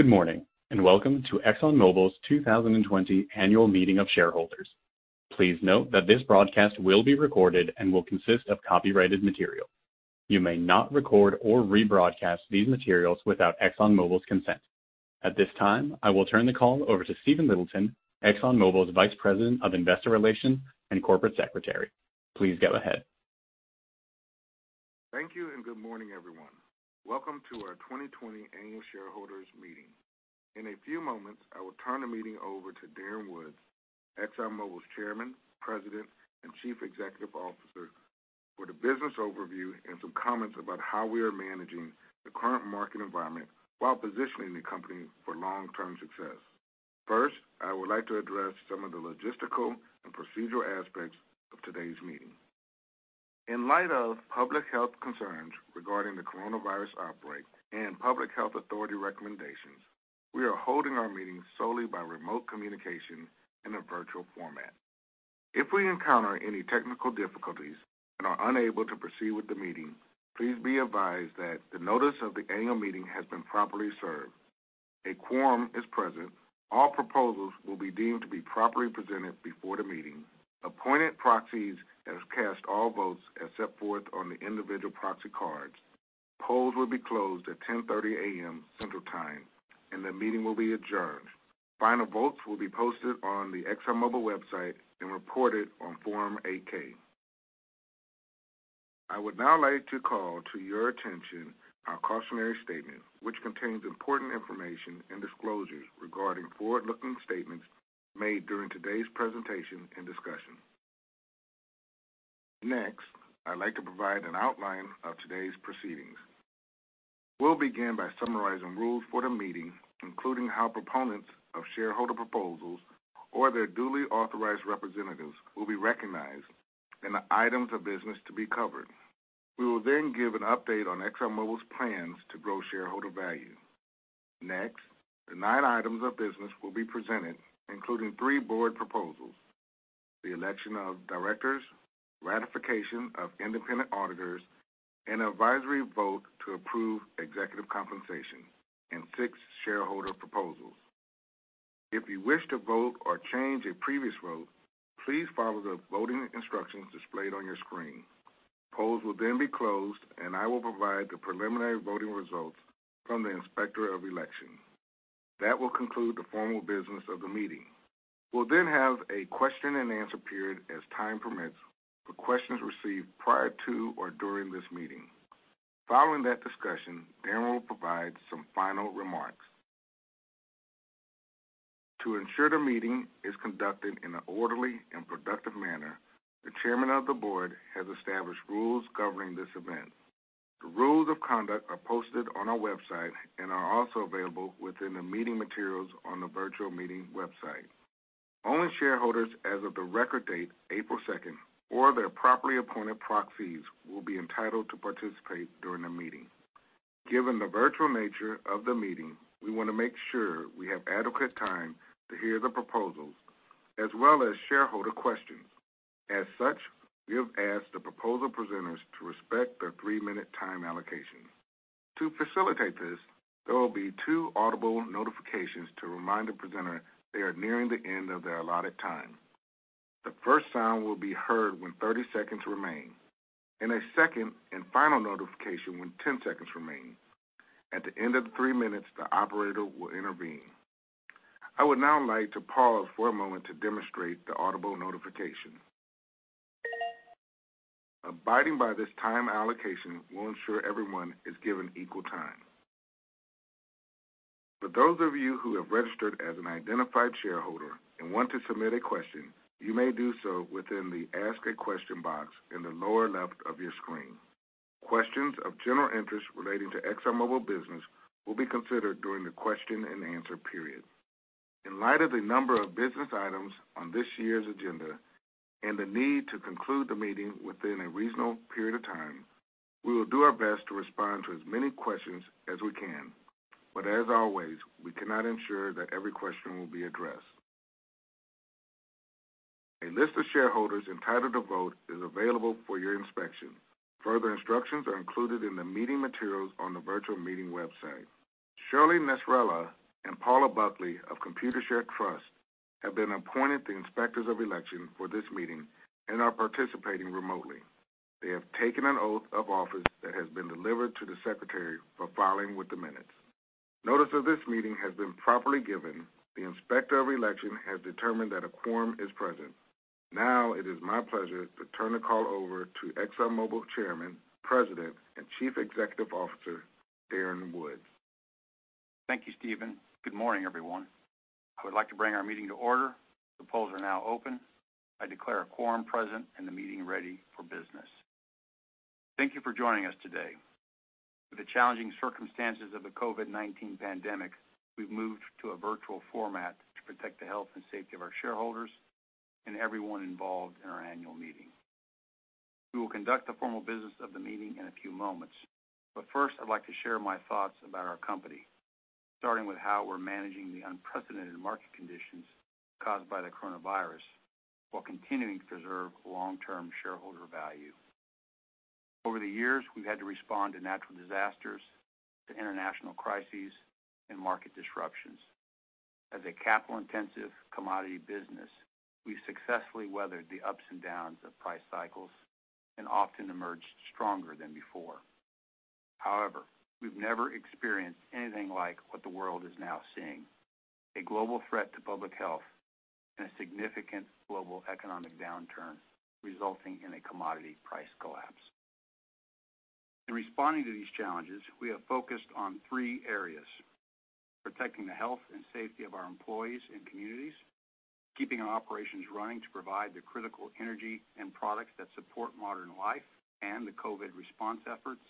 Good morning, and welcome to ExxonMobil's 2020 annual meeting of shareholders. Please note that this broadcast will be recorded and will consist of copyrighted material. You may not record or rebroadcast these materials without ExxonMobil's consent. At this time, I will turn the call over to Stephen Littleton, ExxonMobil's Vice President of Investor Relations and Corporate Secretary. Please go ahead. Thank you, and good morning, everyone. Welcome to our 2020 annual shareholders meeting. In a few moments, I will turn the meeting over to Darren Woods, ExxonMobil's Chairman, President, and Chief Executive Officer for the business overview and some comments about how we are managing the current market environment while positioning the company for long-term success. First, I would like to address some of the logistical and procedural aspects of today's meeting. In light of public health concerns regarding the coronavirus outbreak and public health authority recommendations, we are holding our meeting solely by remote communication in a virtual format. If we encounter any technical difficulties and are unable to proceed with the meeting, please be advised that the notice of the annual meeting has been properly served, a quorum is present, all proposals will be deemed to be properly presented before the meeting, appointed proxies have cast all votes as set forth on the individual proxy cards. The polls will be closed at 10:30 A.M. Central Time, and the meeting will be adjourned. Final votes will be posted on the ExxonMobil website and reported on Form 8-K. I would now like to call to your attention our cautionary statement, which contains important information and disclosures regarding forward-looking statements made during today's presentation and discussion. Next, I'd like to provide an outline of today's proceedings. We'll begin by summarizing rules for the meeting, including how proponents of shareholder proposals or their duly authorized representatives will be recognized and the items of business to be covered. We will then give an update on ExxonMobil's plans to grow shareholder value. Next, the nine items of business will be presented, including three board proposals, the election of directors, ratification of independent auditors, an advisory vote to approve executive compensation, and six shareholder proposals. If you wish to vote or change a previous vote, please follow the voting instructions displayed on your screen. Polls will then be closed, and I will provide the preliminary voting results from the Inspector of Election. That will conclude the formal business of the meeting. We'll then have a question-and-answer period as time permits for questions received prior to or during this meeting. Following that discussion, Darren will provide some final remarks. To ensure the meeting is conducted in an orderly and productive manner, the chairman of the board has established rules governing this event. The rules of conduct are posted on our website and are also available within the meeting materials on the virtual meeting website. Only shareholders as of the record date, April 2nd, or their properly appointed proxies will be entitled to participate during the meeting. Given the virtual nature of the meeting, we want to make sure we have adequate time to hear the proposals as well as shareholder questions. As such, we have asked the proposal presenters to respect their three-minute time allocations. To facilitate this, there will be two audible notifications to remind the presenter they are nearing the end of their allotted time. The first sound will be heard when 30 seconds remain, and a second and final notification when 10 seconds remain. At the end of the three minutes, the operator will intervene. I would now like to pause for a moment to demonstrate the audible notification. Abiding by this time allocation will ensure everyone is given equal time. For those of you who have registered as an identified shareholder and want to submit a question, you may do so within the Ask a Question box in the lower left of your screen. Questions of general interest relating to ExxonMobil business will be considered during the question-and-answer period. In light of the number of business items on this year's agenda and the need to conclude the meeting within a reasonable period of time, we will do our best to respond to as many questions as we can, but as always, we cannot ensure that every question will be addressed. A list of shareholders entitled to vote is available for your inspection. Further instructions are included in the meeting materials on the virtual meeting website. Shirley Nessralla and Paula Buckley of Computershare Trust have been appointed the Inspectors of Election for this meeting and are participating remotely. They have taken an oath of office that has been delivered to the secretary for filing with the minutes. Notice of this meeting has been properly given. The Inspector of Election has determined that a quorum is present. Now it is my pleasure to turn the call over to ExxonMobil Chairman, President, and Chief Executive Officer, Darren Woods. Thank you, Stephen. Good morning, everyone. I would like to bring our meeting to order. The polls are now open. I declare a quorum present and the meeting ready for business. Thank you for joining us today. With the challenging circumstances of the COVID-19 pandemic, we've moved to a virtual format to protect the health and safety of our shareholders and everyone involved in our annual meeting. We will conduct the formal business of the meeting in a few moments, but first, I'd like to share my thoughts about our company, starting with how we're managing the unprecedented market conditions caused by the coronavirus while continuing to preserve long-term shareholder value. Over the years, we've had to respond to natural disasters, to international crises, and market disruptions. As a capital-intensive commodity business, we've successfully weathered the ups and downs of price cycles and often emerged stronger than before. However, we've never experienced anything like what the world is now seeing, a global threat to public health and a significant global economic downturn resulting in a commodity price collapse. In responding to these challenges, we have focused on three areas, protecting the health and safety of our employees and communities, keeping our operations running to provide the critical energy and products that support modern life and the COVID response efforts,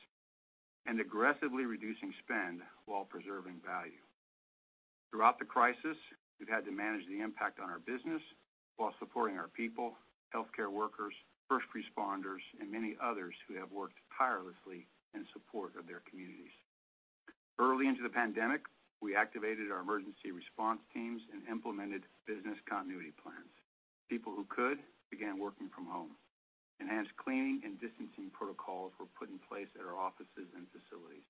and aggressively reducing spend while preserving value. Throughout the crisis, we've had to manage the impact on our business while supporting our people, healthcare workers, first responders, and many others who have worked tirelessly in support of their communities. Early into the pandemic, we activated our emergency response teams and implemented business continuity plans. People who could began working from home. Enhanced cleaning and distancing protocols were put in place at our offices and facilities,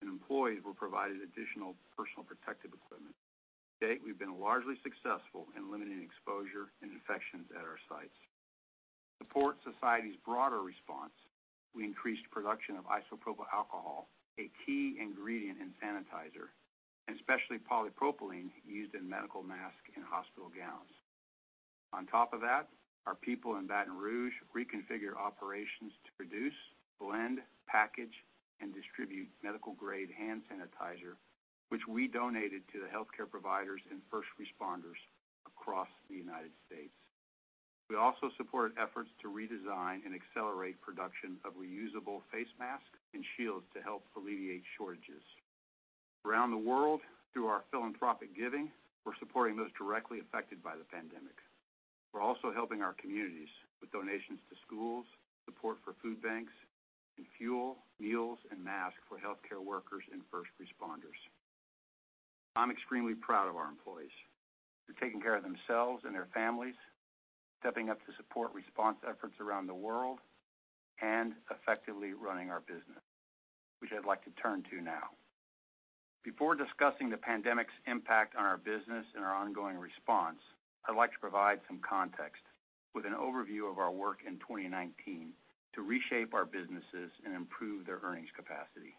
and employees were provided additional personal protective equipment. To date, we've been largely successful in limiting exposure and infections at our sites. To support society's broader response, we increased production of isopropyl alcohol, a key ingredient in sanitizer, and especially polypropylene used in medical masks and hospital gowns. On top of that, our people in Baton Rouge reconfigured operations to produce, blend, package, and distribute medical-grade hand sanitizer, which we donated to the healthcare providers and first responders across the United States. We also supported efforts to redesign and accelerate production of reusable face masks and shields to help alleviate shortages. Around the world, through our philanthropic giving, we're supporting those directly affected by the pandemic. We're also helping our communities with donations to schools, support for food banks, and fuel, meals, and masks for healthcare workers and first responders. I'm extremely proud of our employees for taking care of themselves and their families, stepping up to support response efforts around the world, and effectively running our business, which I'd like to turn to now. Before discussing the pandemic's impact on our business and our ongoing response, I'd like to provide some context with an overview of our work in 2019 to reshape our businesses and improve their earnings capacity.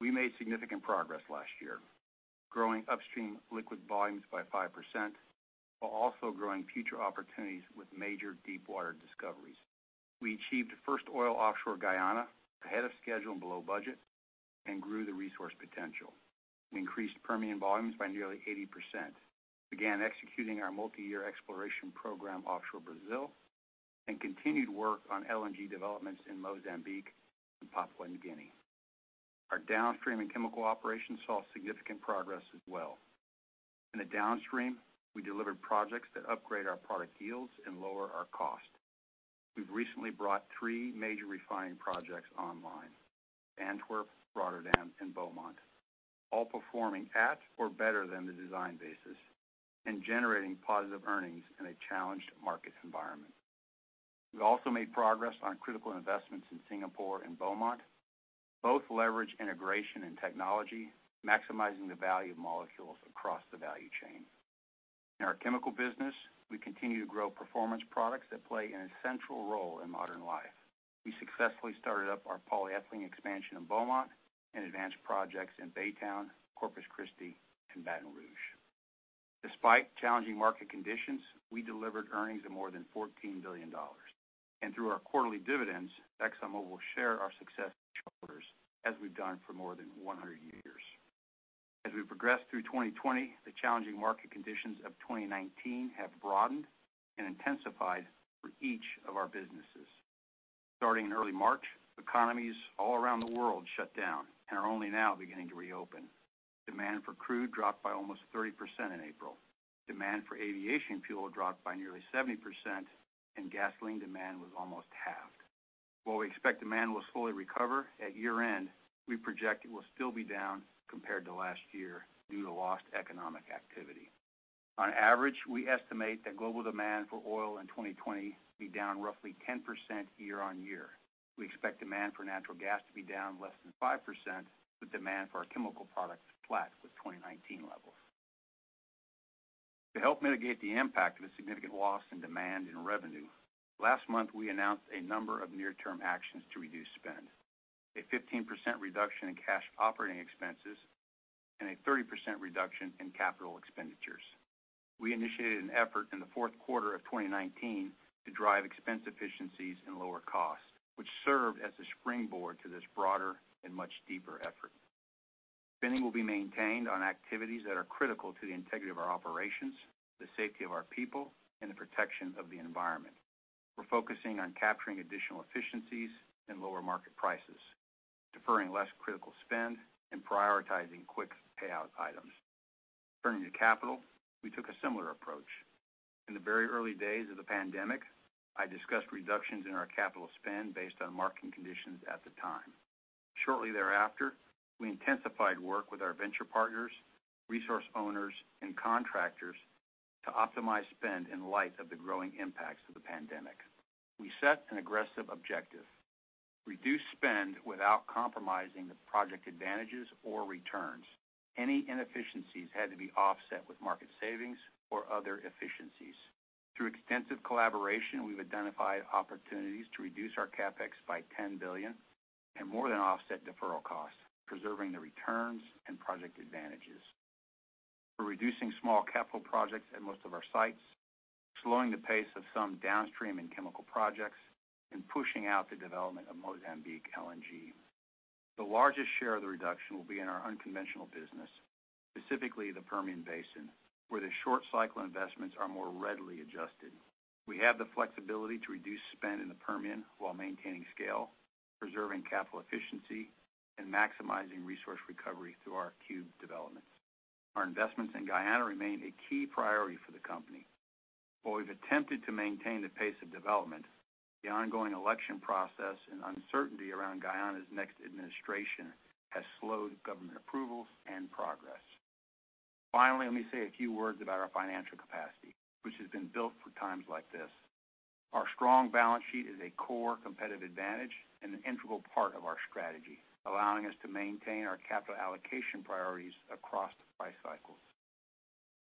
We made significant progress last year, growing upstream liquid volumes by 5%, while also growing future opportunities with major deepwater discoveries. We achieved first oil offshore Guyana ahead of schedule and below budget and grew the resource potential. We increased Permian volumes by nearly 80%, began executing our multi-year exploration program offshore Brazil, and continued work on LNG developments in Mozambique and Papua New Guinea. Our downstream and chemical operations saw significant progress as well. In the downstream, we delivered projects that upgrade our product yields and lower our cost. We've recently brought three major refining projects online, Antwerp, Rotterdam, and Beaumont, all performing at or better than the design basis and generating positive earnings in a challenged market environment. We also made progress on critical investments in Singapore and Beaumont. Both leverage integration and technology, maximizing the value of molecules across the value chain. In our chemical business, we continue to grow performance products that play an essential role in modern life. We successfully started up our polyethylene expansion in Beaumont and advanced projects in Baytown, Corpus Christi, and Baton Rouge. Despite challenging market conditions, we delivered earnings of more than $14 billion. Through our quarterly dividends, ExxonMobil will share our success with shareholders as we've done for more than 100 years. As we progress through 2020, the challenging market conditions of 2019 have broadened and intensified for each of our businesses. Starting in early March, economies all around the world shut down and are only now beginning to reopen. Demand for crude dropped by almost 30% in April. Demand for aviation fuel dropped by nearly 70%, and gasoline demand was almost halved. While we expect demand will slowly recover at year-end, we project it will still be down compared to last year due to lost economic activity. On average, we estimate that global demand for oil in 2020 will be down roughly 10% year-on-year. We expect demand for natural gas to be down less than 5%, with demand for our chemical products flat with 2019 levels. To help mitigate the impact of a significant loss in demand and revenue, last month we announced a number of near-term actions to reduce spend, a 15% reduction in cash operating expenses and a 30% reduction in capital expenditures. We initiated an effort in the fourth quarter of 2019 to drive expense efficiencies and lower costs, which served as a springboard to this broader and much deeper effort. Spending will be maintained on activities that are critical to the integrity of our operations, the safety of our people, and the protection of the environment. We're focusing on capturing additional efficiencies and lower market prices, deferring less critical spend and prioritizing quick payout items. Turning to capital, we took a similar approach. In the very early days of the pandemic, I discussed reductions in our capital spend based on market conditions at the time. Shortly thereafter, we intensified work with our venture partners, resource owners, and contractors to optimize spend in light of the growing impacts of the pandemic. We set an aggressive objective. Reduce spend without compromising the project advantages or returns. Any inefficiencies had to be offset with market savings or other efficiencies. Through extensive collaboration, we've identified opportunities to reduce our CapEx by $10 billion and more than offset deferral costs, preserving the returns and project advantages. We're reducing small capital projects at most of our sites, slowing the pace of some downstream and chemical projects, and pushing out the development of Mozambique LNG. The largest share of the reduction will be in our unconventional business, specifically the Permian Basin, where the short cycle investments are more readily adjusted. We have the flexibility to reduce spend in the Permian while maintaining scale, preserving capital efficiency, and maximizing resource recovery through our Cube developments. Our investments in Guyana remain a key priority for the company. While we've attempted to maintain the pace of development, the ongoing election process and uncertainty around Guyana's next administration has slowed government approvals and progress. Finally, let me say a few words about our financial capacity, which has been built for times like this. Our strong balance sheet is a core competitive advantage and an integral part of our strategy, allowing us to maintain our capital allocation priorities across the price cycle.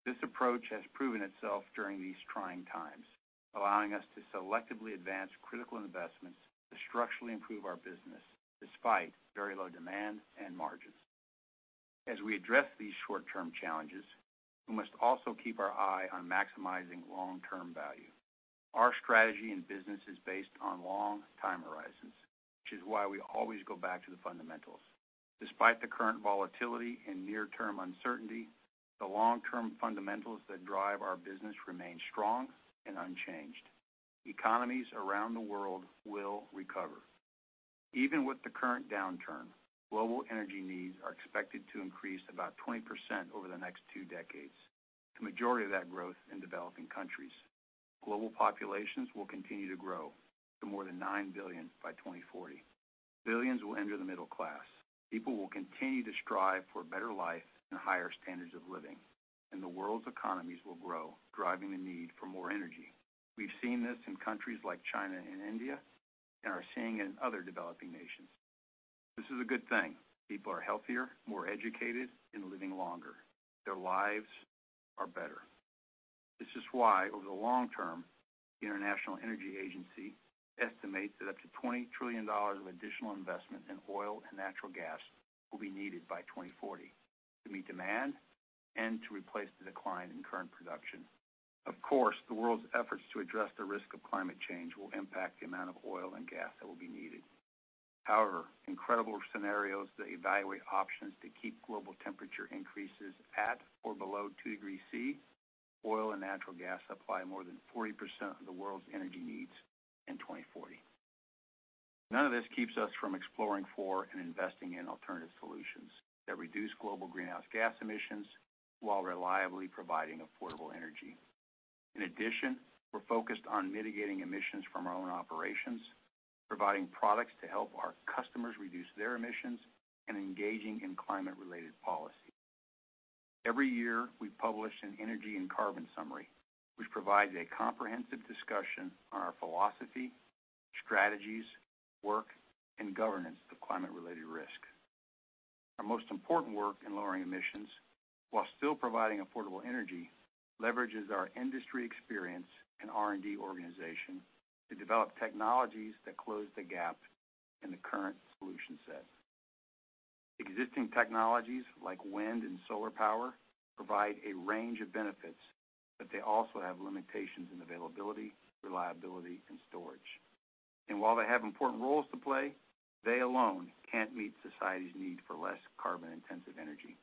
This approach has proven itself during these trying times, allowing us to selectively advance critical investments to structurally improve our business despite very low demand and margins. As we address these short-term challenges, we must also keep our eye on maximizing long-term value. Our strategy and business is based on long time horizons, which is why we always go back to the fundamentals. Despite the current volatility and near-term uncertainty, the long-term fundamentals that drive our business remain strong and unchanged. Economies around the world will recover. Even with the current downturn, global energy needs are expected to increase about 20% over the next two decades, the majority of that growth in developing countries. Global populations will continue to grow to more than nine billion by 2040. Billions will enter the middle class. People will continue to strive for a better life and higher standards of living, and the world's economies will grow, driving the need for more energy. We've seen this in countries like China and India and are seeing it in other developing nations. This is a good thing. People are healthier, more educated, and living longer. Their lives are better. This is why, over the long term, the International Energy Agency estimates that up to $20 trillion of additional investment in oil and natural gas will be needed by 2040 to meet demand and to replace the decline in current production. Of course, the world's efforts to address the risk of climate change will impact the amount of oil and gas that will be needed. However, in credible scenarios that evaluate options to keep global temperature increases at or below 2 degrees Celsius, oil and natural gas supply more than 40% of the world's energy needs in 2040. None of this keeps us from exploring for and investing in alternative solutions that reduce global greenhouse gas emissions while reliably providing affordable energy. In addition, we're focused on mitigating emissions from our own operations, providing products to help our customers reduce their emissions, and engaging in climate-related policy. Every year, we publish an Energy and Carbon Summary, which provides a comprehensive discussion on our philosophy, strategies, work, and governance of climate-related risk. Our most important work in lowering emissions while still providing affordable energy leverages our industry experience and R&D organization to develop technologies that close the gap in the current solution set. Existing technologies like wind and solar power provide a range of benefits, but they also have limitations in availability, reliability, and storage. While they have important roles to play, they alone can't meet society's need for less carbon-intensive energy.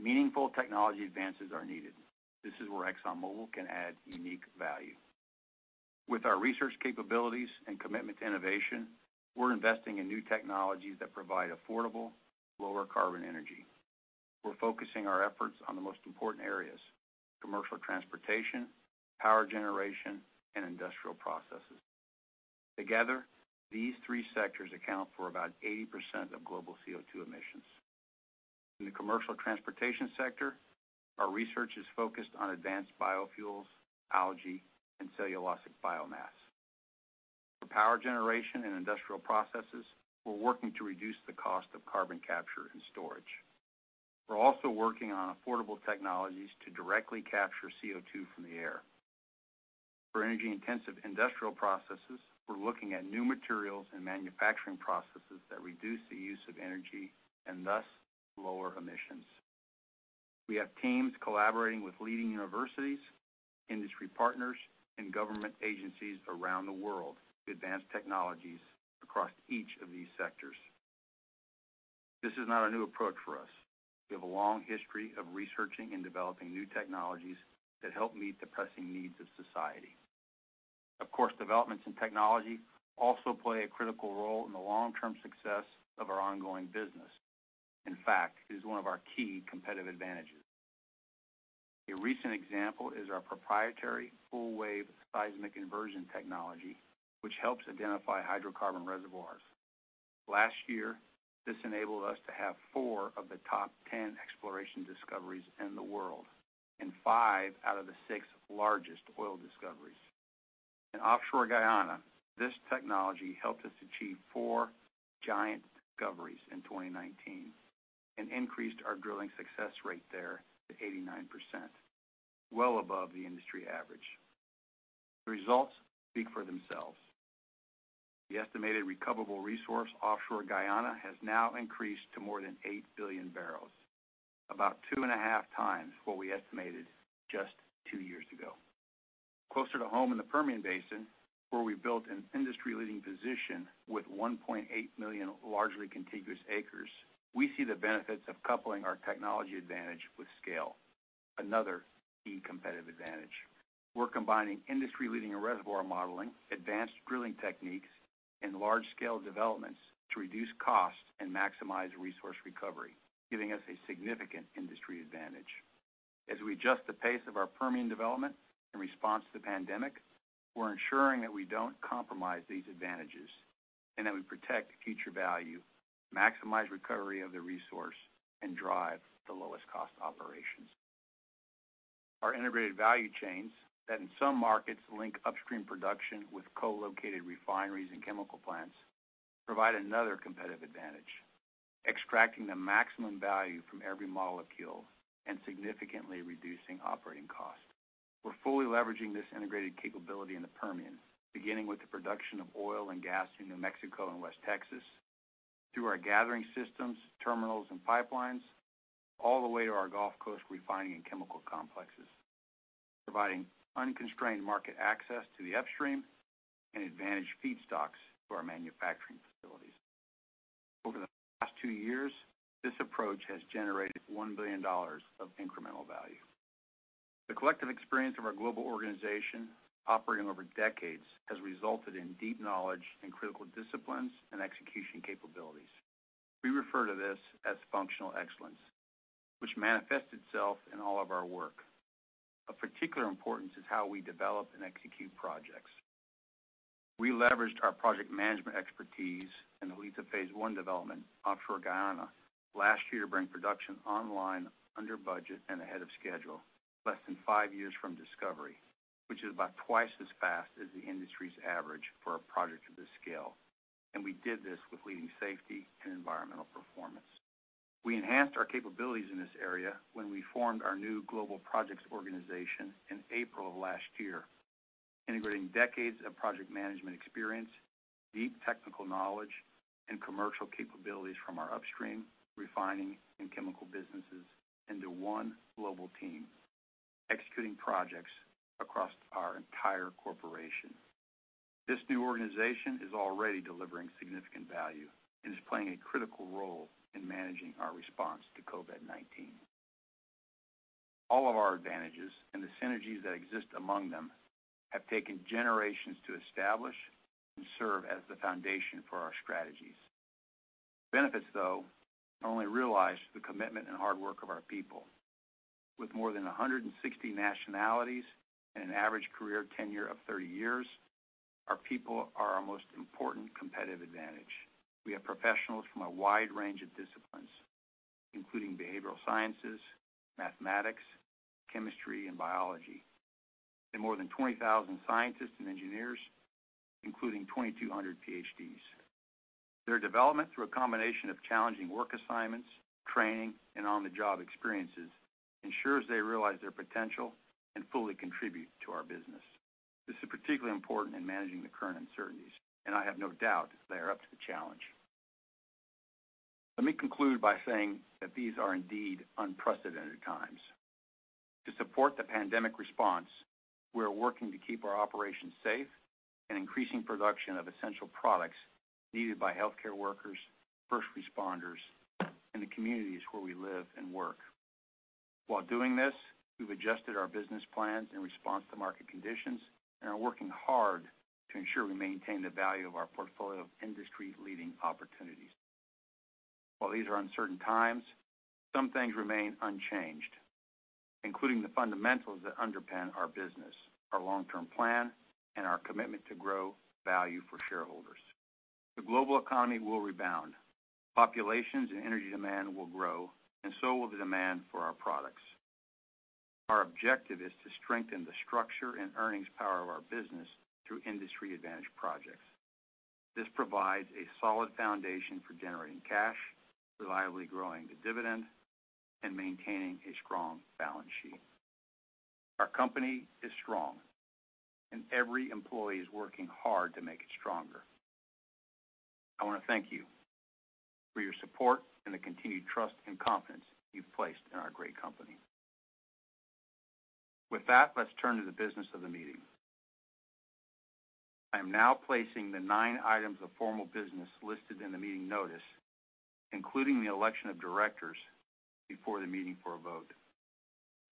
Meaningful technology advances are needed. This is where ExxonMobil can add unique value. With our research capabilities and commitment to innovation, we're investing in new technologies that provide affordable, lower carbon energy. We're focusing our efforts on the most important areas, commercial transportation, power generation, and industrial processes. Together, these three sectors account for about 80% of global CO2 emissions. In the commercial transportation sector, our research is focused on advanced biofuels, algae, and cellulosic biomass. For power generation and industrial processes, we're working to reduce the cost of carbon capture and storage. We're also working on affordable technologies to directly capture CO2 from the air. For energy-intensive industrial processes, we're looking at new materials and manufacturing processes that reduce the use of energy and thus lower emissions. We have teams collaborating with leading universities, industry partners, and government agencies around the world to advance technologies across each of these sectors. This is not a new approach for us. We have a long history of researching and developing new technologies that help meet the pressing needs of society. Of course, developments in technology also play a critical role in the long-term success of our ongoing business. In fact, it is one of our key competitive advantages. A recent example is our proprietary full-wave seismic inversion technology, which helps identify hydrocarbon reservoirs. Last year, this enabled us to have four of the top 10 exploration discoveries in the world and five out of the six largest oil discoveries. In offshore Guyana, this technology helped us achieve four giant discoveries in 2019 and increased our drilling success rate there to 89%, well above the industry average. The results speak for themselves. The estimated recoverable resource offshore Guyana has now increased to more than 8 billion barrels, about two and a half times what we estimated just two years ago. Closer to home in the Permian Basin, where we built an industry-leading position with 1.8 million largely contiguous acres. We see the benefits of coupling our technology advantage with scale, another key competitive advantage. We're combining industry-leading reservoir modeling, advanced drilling techniques, and large-scale developments to reduce costs and maximize resource recovery, giving us a significant industry advantage. As we adjust the pace of our Permian development in response to the pandemic, we're ensuring that we don't compromise these advantages and that we protect future value, maximize recovery of the resource, and drive the lowest cost operations. Our integrated value chains that in some markets link upstream production with co-located refineries and chemical plants provide another competitive advantage, extracting the maximum value from every molecule and significantly reducing operating costs. We're fully leveraging this integrated capability in the Permian, beginning with the production of oil and gas in New Mexico and West Texas, through our gathering systems, terminals, and pipelines, all the way to our Gulf Coast refining and chemical complexes, providing unconstrained market access to the upstream and advantaged feedstocks to our manufacturing facilities. Over the past two years, this approach has generated $1 billion of incremental value. The collective experience of our global organization operating over decades has resulted in deep knowledge in critical disciplines and execution capabilities. We refer to this as functional excellence, which manifests itself in all of our work. Of particular importance is how we develop and execute projects. We leveraged our project management expertise in the Liza Phase 1 development offshore Guyana last year to bring production online under budget and ahead of schedule, less than five years from discovery, which is about twice as fast as the industry's average for a project of this scale, and we did this with leading safety and environmental performance. We enhanced our capabilities in this area when we formed our new global projects organization in April of last year, integrating decades of project management experience, deep technical knowledge, and commercial capabilities from our upstream refining and chemical businesses into one global team, executing projects across our entire corporation. This new organization is already delivering significant value and is playing a critical role in managing our response to COVID-19. All of our advantages and the synergies that exist among them have taken generations to establish and serve as the foundation for our strategies. Benefits, though, are only realized through the commitment and hard work of our people. With more than 160 nationalities and an average career tenure of 30 years, our people are our most important competitive advantage. We have professionals from a wide range of disciplines, including behavioral sciences, mathematics, chemistry, and biology, and more than 20,000 scientists and engineers, including 2,200 PhDs. Their development through a combination of challenging work assignments, training, and on-the-job experiences ensures they realize their potential and fully contribute to our business. This is particularly important in managing the current uncertainties, and I have no doubt they are up to the challenge. Let me conclude by saying that these are indeed unprecedented times. To support the pandemic response, we are working to keep our operations safe and increasing production of essential products needed by healthcare workers, first responders, and the communities where we live and work. While doing this, we've adjusted our business plans in response to market conditions and are working hard to ensure we maintain the value of our portfolio of industry-leading opportunities. While these are uncertain times, some things remain unchanged, including the fundamentals that underpin our business, our long-term plan, and our commitment to grow value for shareholders. The global economy will rebound. Populations and energy demand will grow, and so will the demand for our products. Our objective is to strengthen the structure and earnings power of our business through industry advantage projects. This provides a solid foundation for generating cash, reliably growing the dividend, and maintaining a strong balance sheet. Our company is strong, and every employee is working hard to make it stronger. I want to thank you for your support and the continued trust and confidence you've placed in our great company. With that, let's turn to the business of the meeting. I am now placing the nine items of formal business listed in the meeting notice, including the election of directors before the meeting for a vote.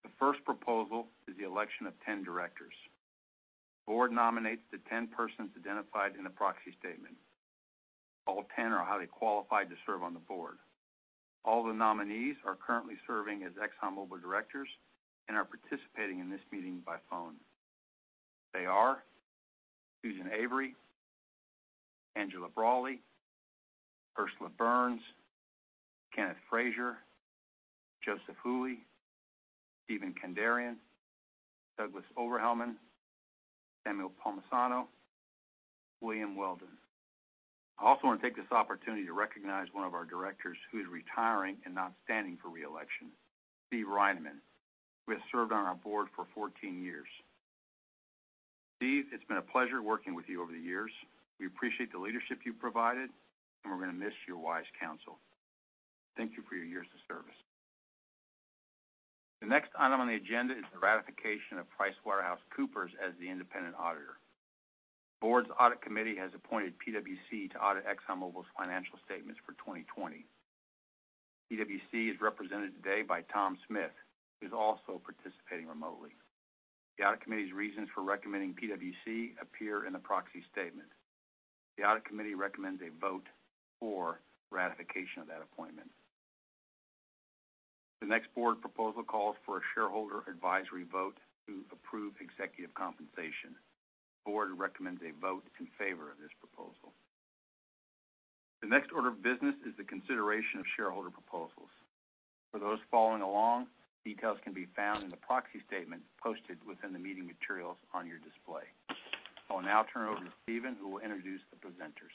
The first proposal is the election of 10 directors. The board nominates the 10 persons identified in the proxy statement. All 10 are highly qualified to serve on the board. All the nominees are currently serving as ExxonMobil directors and are participating in this meeting by phone. They are Susan Avery, Angela Braly, Ursula Burns, Kenneth Frazier, Joseph Hooley, Steven Kandarian, Douglas Oberhelman, Samuel Palmisano, William Weldon. I also want to take this opportunity to recognize one of our directors who's retiring and not standing for re-election, Steve Reinemund, who has served on our board for 14 years. Steve, it's been a pleasure working with you over the years. We appreciate the leadership you've provided, and we're going to miss your wise counsel. Thank you for your years of service. The next item on the agenda is the ratification of PricewaterhouseCoopers as the independent auditor. The board's audit committee has appointed PwC to audit ExxonMobil's financial statements for 2020. PwC is represented today by Tom Smith, who's also participating remotely. The audit committee's reasons for recommending PwC appear in the proxy statement. The audit committee recommends a vote for ratification of that appointment. The next board proposal calls for a shareholder advisory vote to approve executive compensation. The board recommends a vote in favor of this proposal. The next order of business is the consideration of shareholder proposals. For those following along, details can be found in the proxy statement posted within the meeting materials on your display. I will now turn it over to Stephen, who will introduce the presenters.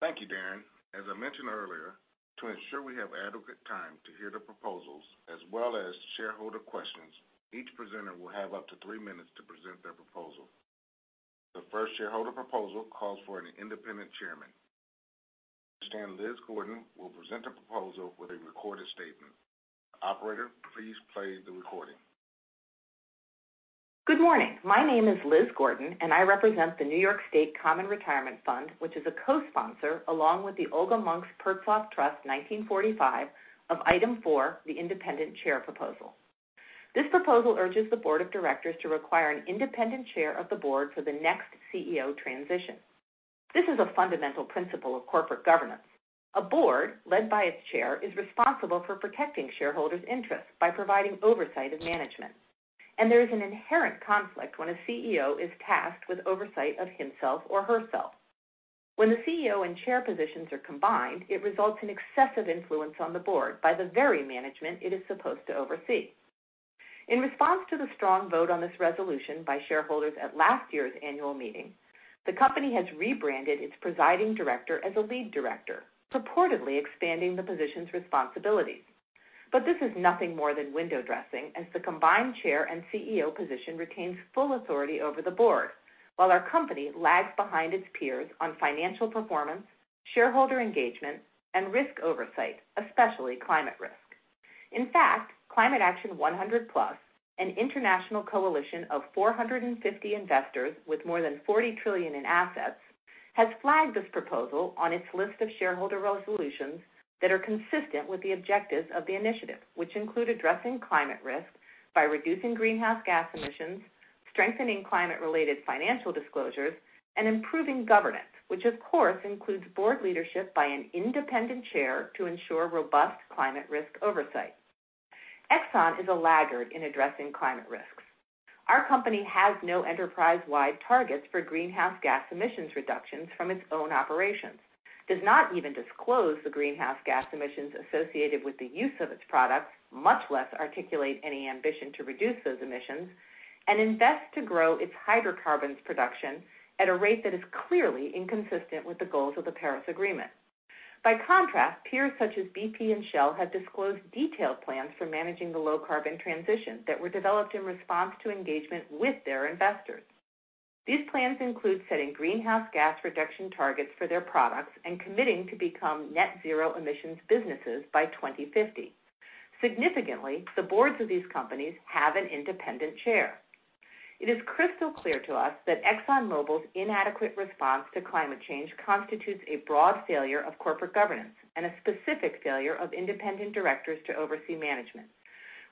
Thank you, Darren. As I mentioned earlier, to ensure we have adequate time to hear the proposals as well as shareholder questions, each presenter will have up to three minutes to present their proposal. The first shareholder proposal calls for an independent Chairman. I understand Liz Gordon will present a proposal with a recorded statement. Operator, please play the recording. Good morning. My name is Liz Gordon, and I represent the New York State Common Retirement Fund, which is a co-sponsor, along with the Olga Monks Pertzoff Trust 1945, of Item four, the independent chair proposal. This proposal urges the board of directors to require an independent chair of the board for the next CEO transition. This is a fundamental principle of corporate governance. A board, led by its chair, is responsible for protecting shareholders' interests by providing oversight of management, and there is an inherent conflict when a CEO is tasked with oversight of himself or herself. When the CEO and chair positions are combined, it results in excessive influence on the board by the very management it is supposed to oversee. In response to the strong vote on this resolution by shareholders at last year's annual meeting, the company has rebranded its presiding director as a lead director, purportedly expanding the position's responsibilities. This is nothing more than window dressing, as the combined chair and CEO position retains full authority over the board while our company lags behind its peers on financial performance, shareholder engagement, and risk oversight, especially climate risk. In fact, Climate Action 100+, an international coalition of 450 investors with more than $40 trillion in assets, has flagged this proposal on its list of shareholder resolutions that are consistent with the objectives of the initiative, which include addressing climate risk by reducing greenhouse gas emissions, strengthening climate-related financial disclosures, and improving governance, which of course includes board leadership by an independent chair to ensure robust climate risk oversight. Exxon is a laggard in addressing climate risks. Our company has no enterprise-wide targets for greenhouse gas emissions reductions from its own operations, does not even disclose the greenhouse gas emissions associated with the use of its products, much less articulate any ambition to reduce those emissions, and invests to grow its hydrocarbons production at a rate that is clearly inconsistent with the goals of the Paris Agreement. By contrast, peers such as BP and Shell have disclosed detailed plans for managing the low-carbon transition that were developed in response to engagement with their investors. These plans include setting greenhouse gas reduction targets for their products and committing to become net zero emissions businesses by 2050. Significantly, the boards of these companies have an independent chair. It is crystal clear to us that ExxonMobil's inadequate response to climate change constitutes a broad failure of corporate governance and a specific failure of independent directors to oversee management.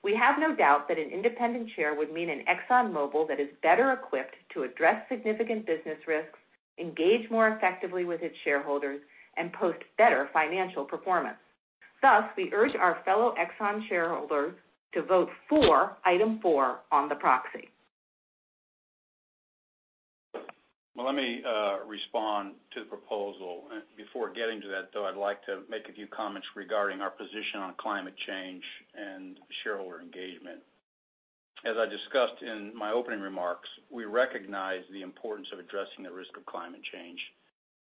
We have no doubt that an independent chair would mean an ExxonMobil that is better equipped to address significant business risks, engage more effectively with its shareholders, and post better financial performance. We urge our fellow Exxon shareholders to vote for Item 4 on the proxy. Well, let me respond to the proposal. Before getting to that, though, I'd like to make a few comments regarding our position on climate change and shareholder engagement. As I discussed in my opening remarks, we recognize the importance of addressing the risk of climate change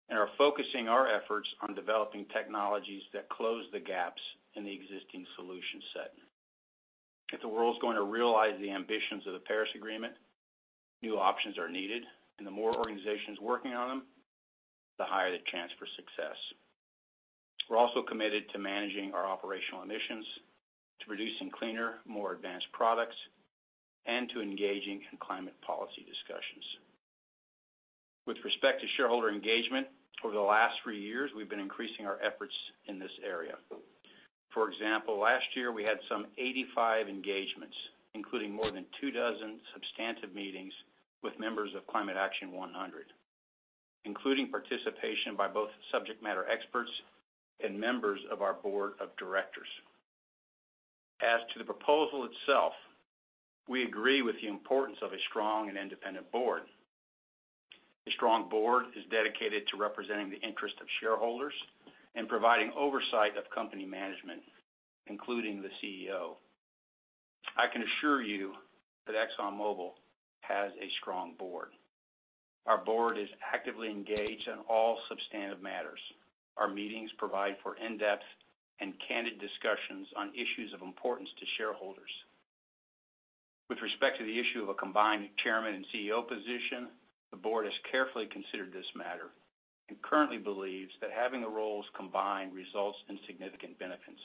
and are focusing our efforts on developing technologies that close the gaps in the existing solution set. If the world's going to realize the ambitions of the Paris Agreement, new options are needed, and the more organizations working on them, the higher the chance for success. We're also committed to managing our operational emissions, to producing cleaner, more advanced products, and to engaging in climate policy discussions. With respect to shareholder engagement, over the last three years, we've been increasing our efforts in this area. For example, last year we had some 85 engagements, including more than two dozen substantive meetings with members of Climate Action 100, including participation by both subject matter experts and members of our board of directors. As to the proposal itself, we agree with the importance of a strong and independent board. A strong board is dedicated to representing the interest of shareholders and providing oversight of company management, including the CEO. I can assure you that ExxonMobil has a strong board. Our board is actively engaged on all substantive matters. Our meetings provide for in-depth and candid discussions on issues of importance to shareholders. With respect to the issue of a combined chairman and CEO position, the board has carefully considered this matter and currently believes that having the roles combined results in significant benefits.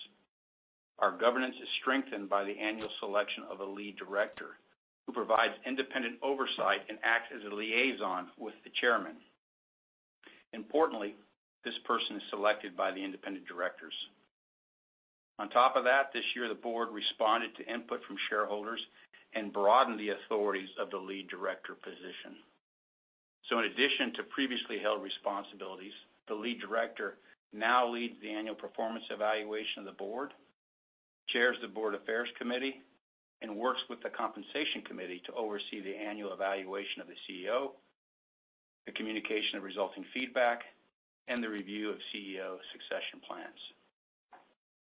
Our governance is strengthened by the annual selection of a lead director, who provides independent oversight and acts as a liaison with the chairman. Importantly, this person is selected by the independent directors. On top of that, this year the board responded to input from shareholders and broadened the authorities of the lead director position. In addition to previously held responsibilities, the lead director now leads the annual performance evaluation of the board, chairs the Board Affairs Committee, and works with the Compensation Committee to oversee the annual evaluation of the CEO, the communication of resulting feedback, and the review of CEO succession plans.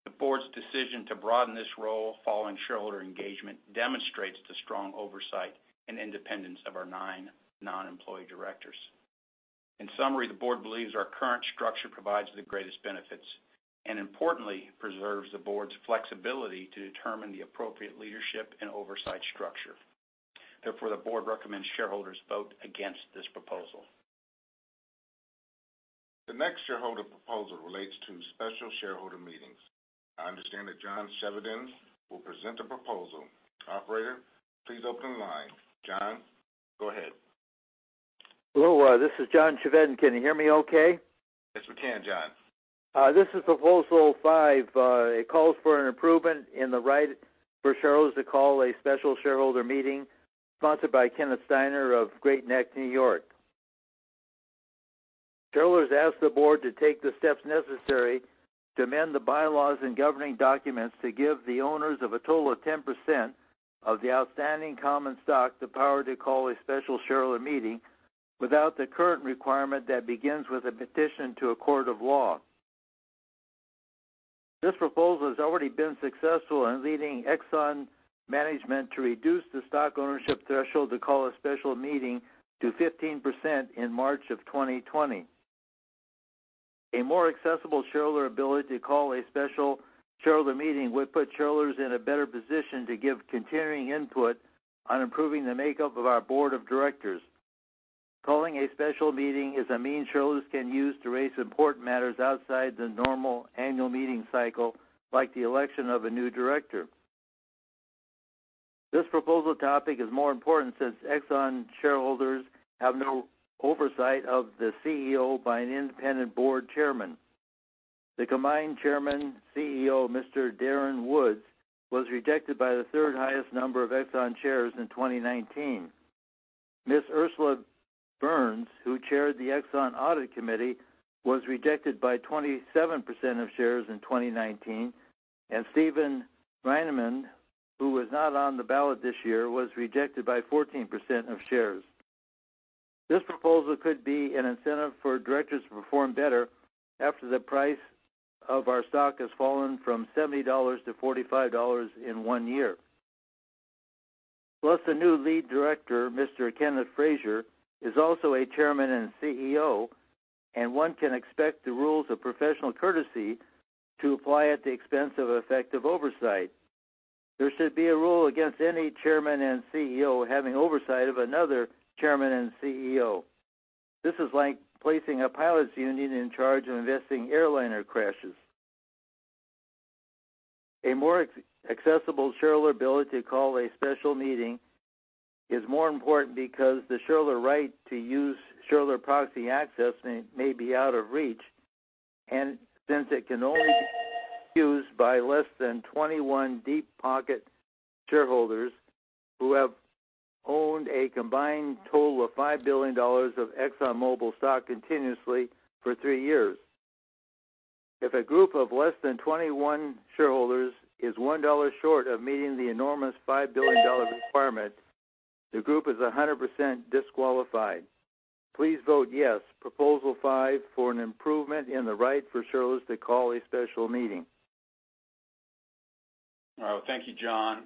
The board's decision to broaden this role following shareholder engagement demonstrates the strong oversight and independence of our nine non-employee directors. In summary, the board believes our current structure provides the greatest benefits, and importantly, preserves the board's flexibility to determine the appropriate leadership and oversight structure. Therefore, the board recommends shareholders vote against this proposal. The next shareholder proposal relates to special shareholder meetings. I understand that John Chevedden will present a proposal. Operator, please open the line. John, go ahead. Hello, this is John Chevedden. Can you hear me okay? Yes, we can, John. This is proposal five. It calls for an improvement in the right for shareholders to call a special shareholder meeting, sponsored by Kenneth Steiner of Great Neck, New York. Shareholders ask the board to take the steps necessary to amend the bylaws and governing documents to give the owners of a total of 10% of the outstanding common stock the power to call a special shareholder meeting without the current requirement that begins with a petition to a court of law. This proposal has already been successful in leading Exxon management to reduce the stock ownership threshold to call a special meeting to 15% in March of 2020. A more accessible shareholder ability to call a special shareholder meeting would put shareholders in a better position to give continuing input on improving the makeup of our board of directors. Calling a special meeting is a means shareholders can use to raise important matters outside the normal annual meeting cycle, like the election of a new director. This proposal topic is more important since Exxon shareholders have no oversight of the CEO by an independent board chairman. The combined Chairman, CEO, Mr. Darren Woods, was rejected by the third highest number of Exxon shares in 2019. Ms. Ursula Burns, who chaired the Exxon Audit Committee, was rejected by 27% of shares in 2019, and Steven Reinemund, who was not on the ballot this year, was rejected by 14% of shares. This proposal could be an incentive for directors to perform better after the price of our stock has fallen from $70 to $45 in one year. The new lead director, Mr. Kenneth Frazier, is also a chairman and CEO, and one can expect the rules of professional courtesy to apply at the expense of effective oversight. There should be a rule against any chairman and CEO having oversight of another chairman and CEO. This is like placing a pilots union in charge of investigating airliner crashes. A more accessible shareholder ability to call a special meeting is more important because the shareholder right to use shareholder proxy access may be out of reach, and since it can only be used by less than 21 deep-pocket shareholders who have owned a combined total of $5 billion of ExxonMobil stock continuously for three years. If a group of less than 21 shareholders is $1 short of meeting the enormous $5 billion requirement, the group is 100% disqualified. Please vote yes, proposal five, for an improvement in the right for shareholders to call a special meeting. Thank you, John.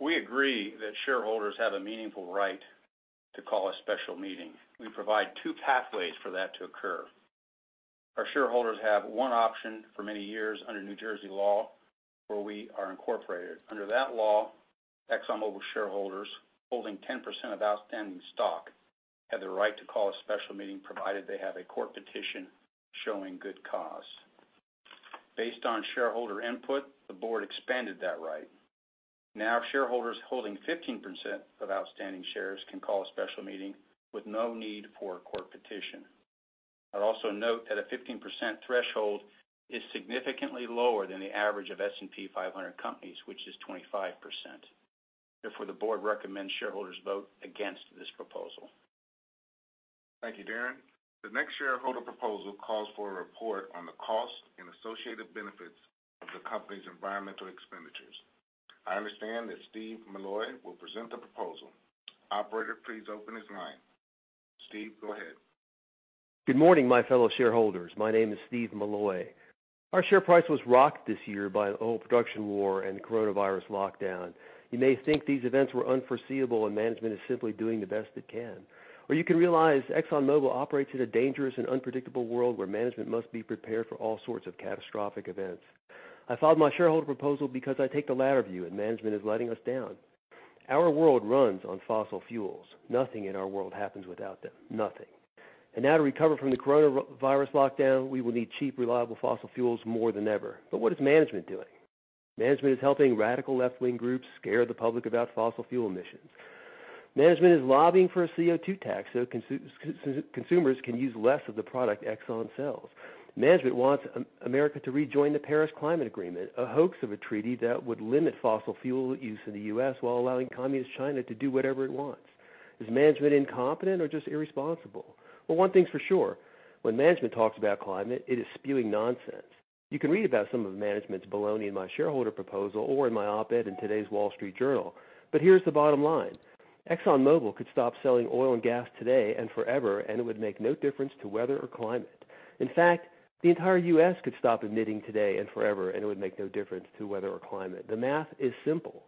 We agree that shareholders have a meaningful right to call a special meeting. We provide two pathways for that to occur. Our shareholders have one option for many years under New Jersey law, where we are incorporated. Under that law, ExxonMobil shareholders holding 10% of outstanding stock have the right to call a special meeting, provided they have a court petition showing good cause. Based on shareholder input, the board expanded that right. Now shareholders holding 15% of outstanding shares can call a special meeting with no need for a court petition. I'd also note that a 15% threshold is significantly lower than the average of S&P 500 companies, which is 25%. Therefore, the board recommends shareholders vote against this proposal. Thank you, Darren. The next shareholder proposal calls for a report on the cost and associated benefits of the company's environmental expenditures. I understand that Steve Milloy will present the proposal. Operator, please open his line. Steve, go ahead. Good morning, my fellow shareholders. My name is Steve Milloy. Our share price was rocked this year by an oil production war and the coronavirus lockdown. You may think these events were unforeseeable and management is simply doing the best it can. Or you can realize ExxonMobil operates in a dangerous and unpredictable world where management must be prepared for all sorts of catastrophic events. I filed my shareholder proposal because I take the latter view. Management is letting us down. Our world runs on fossil fuels. Nothing in our world happens without them, nothing. Now to recover from the coronavirus lockdown, we will need cheap, reliable fossil fuels more than ever. What is management doing? Management is helping radical left-wing groups scare the public about fossil fuel emissions. Management is lobbying for a CO2 tax so consumers can use less of the product Exxon sells. Management wants America to rejoin the Paris Agreement, a hoax of a treaty that would limit fossil fuel use in the U.S. while allowing communist China to do whatever it wants. Is management incompetent or just irresponsible? Well, one thing's for sure. When management talks about climate, it is spewing nonsense. You can read about some of management's baloney in my shareholder proposal or in my op-ed in today's Wall Street Journal. Here's the bottom line. ExxonMobil could stop selling oil and gas today and forever, and it would make no difference to weather or climate. In fact, the entire U.S. could stop emitting today and forever, and it would make no difference to weather or climate. The math is simple.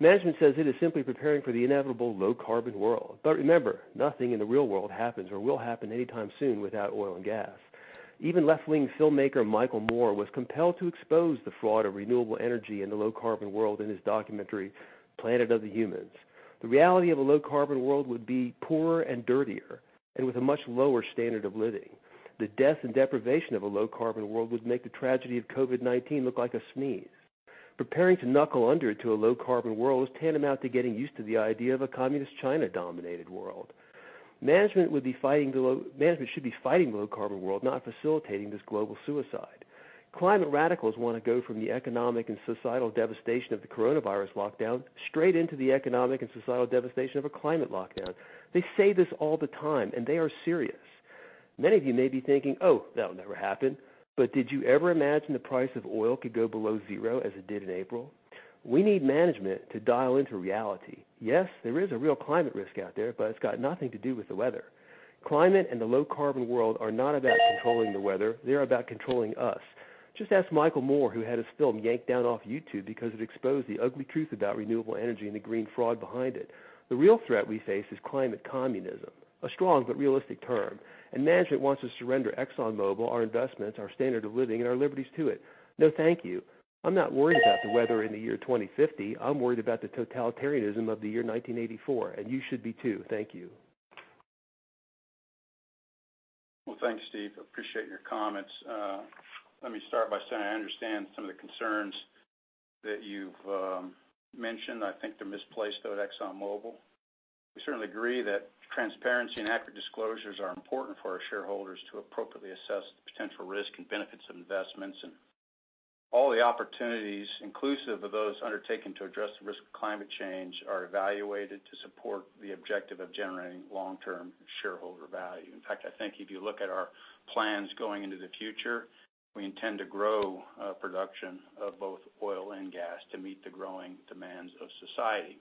Management says it is simply preparing for the inevitable low-carbon world. Remember, nothing in the real world happens or will happen anytime soon without oil and gas. Even left-wing filmmaker Michael Moore was compelled to expose the fraud of renewable energy in the low-carbon world in his documentary, "Planet of the Humans." The reality of a low-carbon world would be poorer and dirtier, and with a much lower standard of living. The death and deprivation of a low-carbon world would make the tragedy of COVID-19 look like a sneeze. Preparing to knuckle under to a low-carbon world is tantamount to getting used to the idea of a Communist China-dominated world. Management should be fighting the low-carbon world, not facilitating this global suicide. Climate radicals want to go from the economic and societal devastation of the coronavirus lockdown straight into the economic and societal devastation of a climate lockdown. They say this all the time, and they are serious. Many of you may be thinking, "Oh, that'll never happen." Did you ever imagine the price of oil could go below zero as it did in April? We need management to dial into reality. Yes, there is a real climate risk out there, but it's got nothing to do with the weather. Climate and the low-carbon world are not about controlling the weather. They're about controlling us. Just ask Michael Moore, who had his film yanked down off YouTube because it exposed the ugly truth about renewable energy and the green fraud behind it. The real threat we face is climate communism, a strong but realistic term. Management wants to surrender ExxonMobil, our investments, our standard of living, and our liberties to it. No, thank you. I'm not worried about the weather in the year 2050. I'm worried about the totalitarianism of the year 1984, and you should be, too. Thank you. Well, thanks, Steve. Appreciate your comments. Let me start by saying I understand some of the concerns that you've mentioned. I think they're misplaced, though, at ExxonMobil. We certainly agree that transparency and accurate disclosures are important for our shareholders to appropriately assess the potential risk and benefits of investments. All the opportunities inclusive of those undertaken to address the risk of climate change are evaluated to support the objective of generating long-term shareholder value. In fact, I think if you look at our plans going into the future, we intend to grow production of both oil and gas to meet the growing demands of society.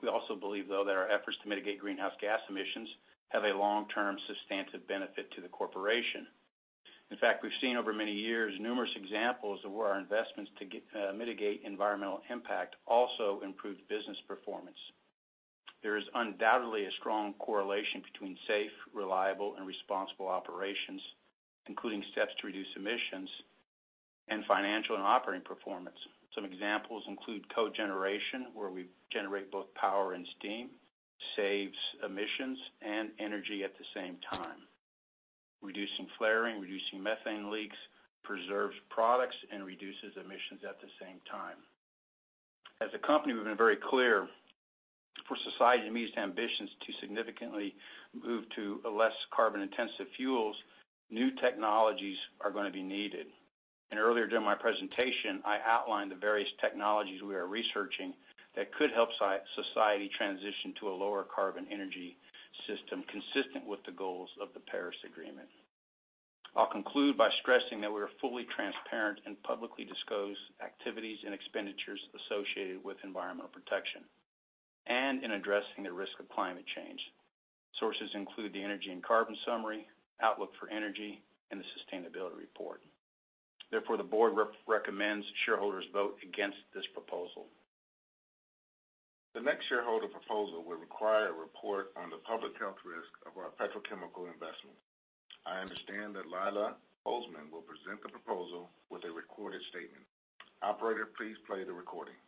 We also believe, though, that our efforts to mitigate greenhouse gas emissions have a long-term substantive benefit to the corporation. In fact, we've seen over many years numerous examples of where our investments to mitigate environmental impact also improved business performance. There is undoubtedly a strong correlation between safe, reliable, and responsible operations, including steps to reduce emissions and financial and operating performance. Some examples include cogeneration, where we generate both power and steam, saves emissions and energy at the same time. Reducing flaring, reducing methane leaks preserves products and reduces emissions at the same time. As a company, we've been very clear for society to meet its ambitions to significantly move to a less carbon-intensive fuels, new technologies are going to be needed. Earlier during my presentation, I outlined the various technologies we are researching that could help society transition to a lower carbon energy system consistent with the goals of the Paris Agreement. I'll conclude by stressing that we are fully transparent and publicly disclose activities and expenditures associated with environmental protection and in addressing the risk of climate change. Sources include the Energy and Carbon Summary, Outlook for Energy, and the Sustainability Report. Therefore, the Board recommends shareholders vote against this proposal. The next shareholder proposal will require a report on the public health risk of our petrochemical investments. I understand that Lila Holzman will present the proposal with a recorded statement. Operator, please play the recording.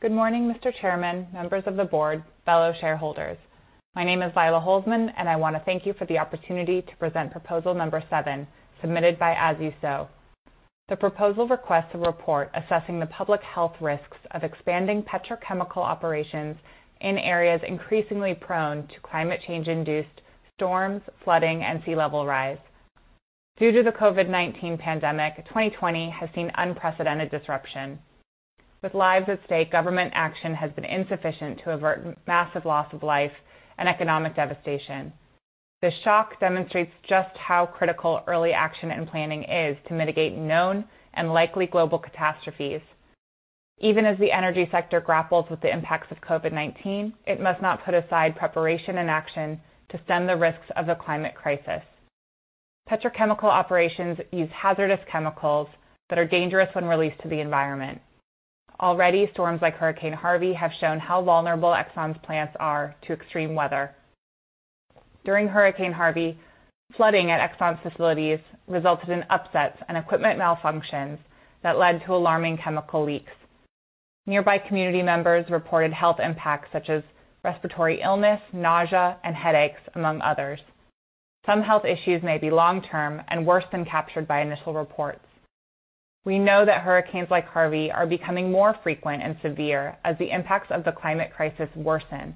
Good morning, Mr. Chairman, members of the board, fellow shareholders. My name is Lila Holzman, and I want to thank you for the opportunity to present proposal number seven, submitted by As You Sow. The proposal requests a report assessing the public health risks of expanding petrochemical operations in areas increasingly prone to climate change-induced storms, flooding, and sea level rise. Due to the COVID-19 pandemic, 2020 has seen unprecedented disruption. With lives at stake, government action has been insufficient to avert massive loss of life and economic devastation. The shock demonstrates just how critical early action and planning is to mitigate known and likely global catastrophes. Even as the energy sector grapples with the impacts of COVID-19, it must not put aside preparation and action to stem the risks of the climate crisis. Petrochemical operations use hazardous chemicals that are dangerous when released to the environment. Already, storms like Hurricane Harvey have shown how vulnerable Exxon's plants are to extreme weather. During Hurricane Harvey, flooding at Exxon's facilities resulted in upsets and equipment malfunctions that led to alarming chemical leaks. Nearby community members reported health impacts such as respiratory illness, nausea, and headaches, among others. Some health issues may be long-term and worse than captured by initial reports. We know that hurricanes like Harvey are becoming more frequent and severe as the impacts of the climate crisis worsen.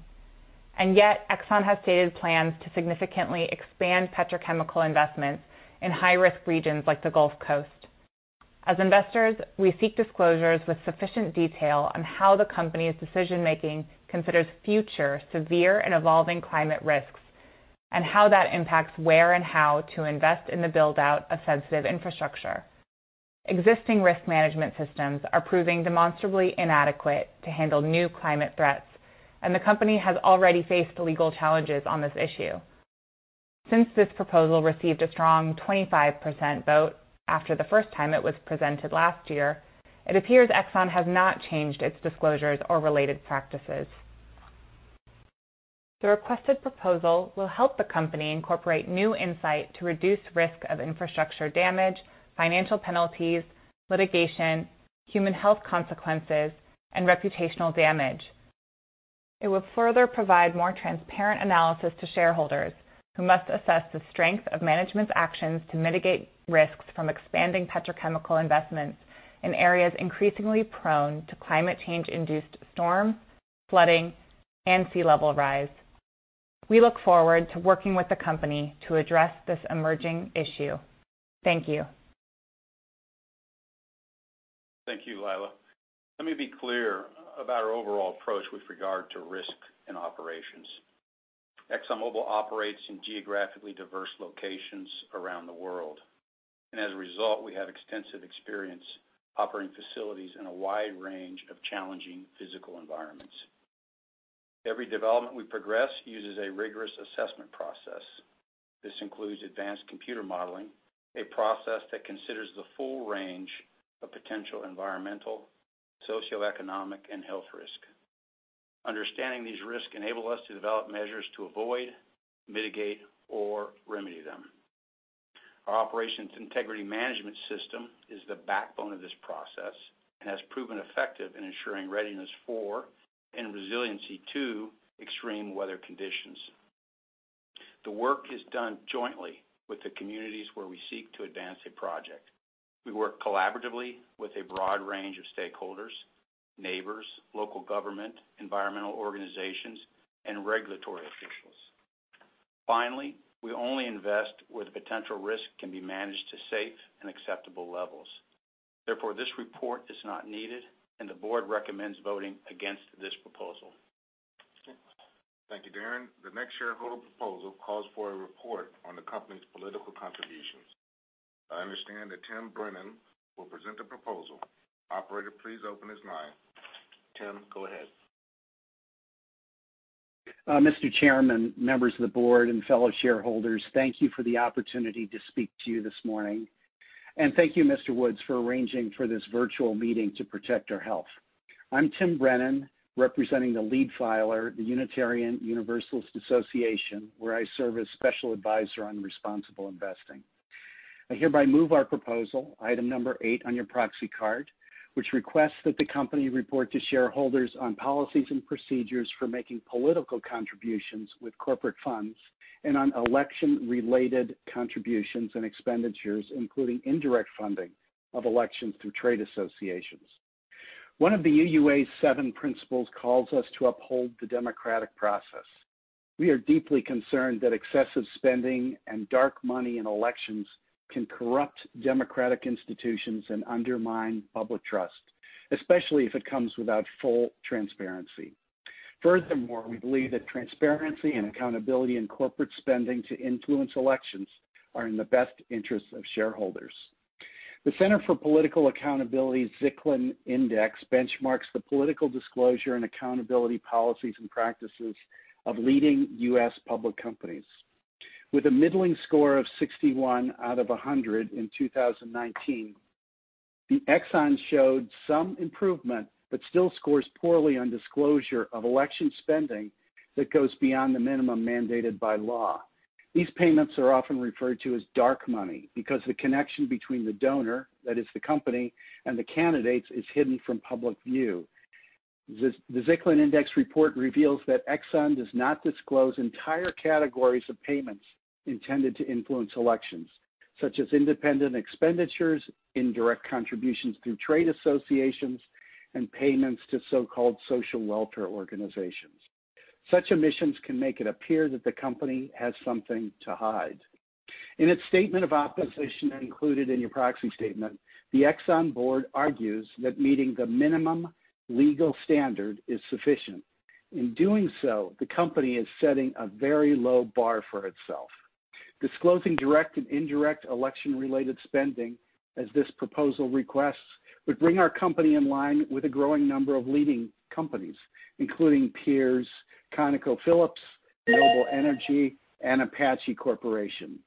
Yet, Exxon has stated plans to significantly expand petrochemical investments in high-risk regions like the Gulf Coast. As investors, we seek disclosures with sufficient detail on how the company's decision-making considers future severe and evolving climate risks, and how that impacts where and how to invest in the build-out of sensitive infrastructure. Existing risk management systems are proving demonstrably inadequate to handle new climate threats, and the company has already faced legal challenges on this issue. Since this proposal received a strong 25% vote after the first time it was presented last year, it appears Exxon has not changed its disclosures or related practices. The requested proposal will help the company incorporate new insight to reduce risk of infrastructure damage, financial penalties, litigation, human health consequences, and reputational damage. It will further provide more transparent analysis to shareholders who must assess the strength of management's actions to mitigate risks from expanding petrochemical investments in areas increasingly prone to climate change-induced storms, flooding, and sea level rise. We look forward to working with the company to address this emerging issue. Thank you. Thank you, Lila. Let me be clear about our overall approach with regard to risk in operations. ExxonMobil operates in geographically diverse locations around the world, and as a result, we have extensive experience operating facilities in a wide range of challenging physical environments. Every development we progress uses a rigorous assessment process. This includes advanced computer modeling, a process that considers the full range of potential environmental, socioeconomic, and health risk. Understanding these risks enable us to develop measures to avoid, mitigate, or remedy them. Our Operations Integrity Management System is the backbone of this process and has proven effective in ensuring readiness for and resiliency to extreme weather conditions. The work is done jointly with the communities where we seek to advance a project. We work collaboratively with a broad range of stakeholders, neighbors, local government, environmental organizations, and regulatory officials. We only invest where the potential risk can be managed to safe and acceptable levels. This report is not needed, and the board recommends voting against this proposal. Thank you, Darren. The next shareholder proposal calls for a report on the company's political contributions. I understand that Tim Brennan will present the proposal. Operator, please open his line. Tim, go ahead. Mr. Chairman, members of the board, and fellow shareholders, thank you for the opportunity to speak to you this morning. Thank you, Mr. Woods, for arranging for this virtual meeting to protect our health. I'm Tim Brennan, representing the lead filer, the Unitarian Universalist Association, where I serve as special advisor on responsible investing. I hereby move our proposal, item number eight on your proxy card, which requests that the company report to shareholders on policies and procedures for making political contributions with corporate funds and on election-related contributions and expenditures, including indirect funding of elections through trade associations. One of the UUA's seven principles calls us to uphold the democratic process. We are deeply concerned that excessive spending and dark money in elections can corrupt democratic institutions and undermine public trust, especially if it comes without full transparency. Furthermore, we believe that transparency and accountability in corporate spending to influence elections are in the best interest of shareholders. The Center for Political Accountability's CPA-Zicklin Index benchmarks the political disclosure and accountability policies and practices of leading U.S. public companies. With a middling score of 61 out of 100 in 2019, Exxon showed some improvement, but still scores poorly on disclosure of election spending that goes beyond the minimum mandated by law. These payments are often referred to as dark money because the connection between the donor, that is the company, and the candidates is hidden from public view. The CPA-Zicklin Index report reveals that Exxon does not disclose entire categories of payments intended to influence elections, such as independent expenditures, indirect contributions through trade associations, and payments to so-called social welfare organizations. Such omissions can make it appear that the company has something to hide. In its statement of opposition included in your proxy statement, the Exxon board argues that meeting the minimum legal standard is sufficient. In doing so, the company is setting a very low bar for itself. Disclosing direct and indirect election-related spending, as this proposal requests, would bring our company in line with a growing number of leading companies, including peers ConocoPhillips, Noble Energy, and Apache Corporation.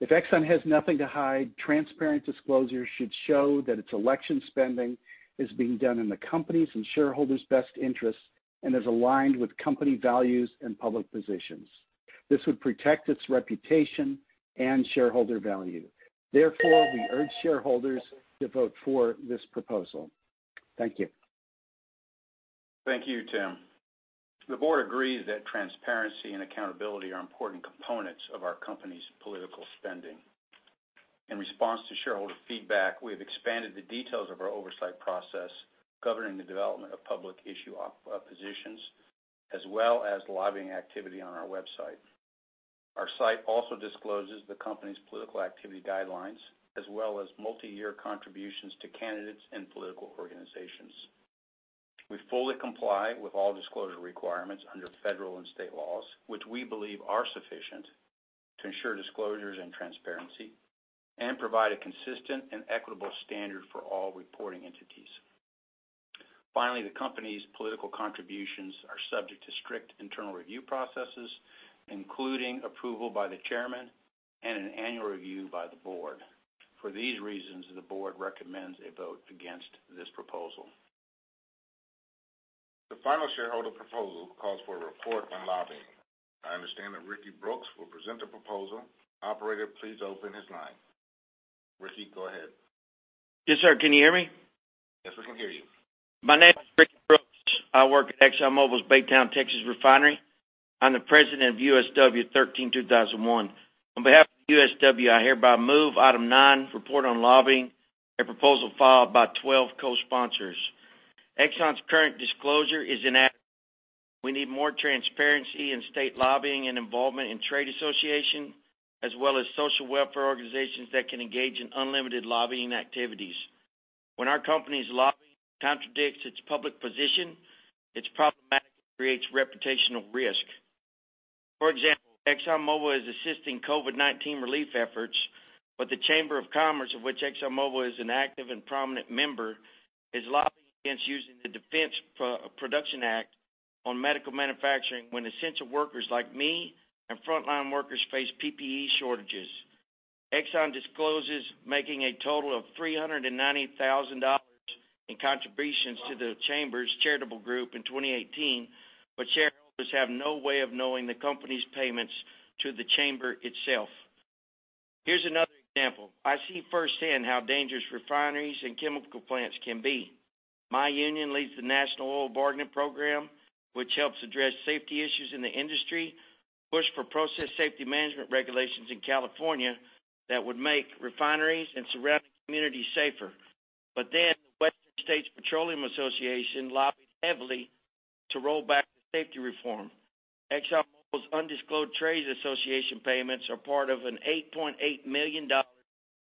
If Exxon has nothing to hide, transparent disclosures should show that its election spending is being done in the company's and shareholders' best interests and is aligned with company values and public positions. This would protect its reputation and shareholder value. Therefore, we urge shareholders to vote for this proposal. Thank you. Thank you, Tim. The board agrees that transparency and accountability are important components of our company's political spending. In response to shareholder feedback, we have expanded the details of our oversight process governing the development of public issue positions, as well as lobbying activity on our website. Our site also discloses the company's political activity guidelines, as well as multi-year contributions to candidates and political organizations. We fully comply with all disclosure requirements under federal and state laws, which we believe are sufficient to ensure disclosures and transparency and provide a consistent and equitable standard for all reporting entities. Finally, the company's political contributions are subject to strict internal review processes, including approval by the Chairman and an annual review by the board. For these reasons, the board recommends a vote against this proposal. The final shareholder proposal calls for a report on lobbying. I understand that Ricky Brooks will present the proposal. Operator, please open his line. Ricky, go ahead. Yes, sir. Can you hear me? Yes, we can hear you. My name is Ricky Brooks. I work at ExxonMobil's Baytown, Texas refinery. I'm the president of USW 13-2001. On behalf of USW, I hereby move item nine, report on lobbying, a proposal filed by 12 co-sponsors. Exxon's current disclosure is inadequate. We need more transparency in state lobbying and involvement in trade association, as well as social welfare organizations that can engage in unlimited lobbying activities. When our company's lobbying contradicts its public position, it's problematic and creates reputational risk. For example, ExxonMobil is assisting COVID-19 relief efforts, but the Chamber of Commerce, of which ExxonMobil is an active and prominent member, is lobbying against using the Defense Production Act on medical manufacturing when essential workers like me and frontline workers face PPE shortages. Exxon discloses making a total of $390,000 in contributions to the Chamber's charitable group in 2018. Shareholders have no way of knowing the company's payments to the Chamber itself. Here's another example. I see firsthand how dangerous refineries and chemical plants can be. My union leads the National Oil Bargaining Program, which helps address safety issues in the industry, push for process safety management regulations in California that would make refineries and surrounding communities safer. The Western States Petroleum Association lobbied heavily to roll back the safety reform. ExxonMobil's undisclosed trade association payments are part of an $8.8 million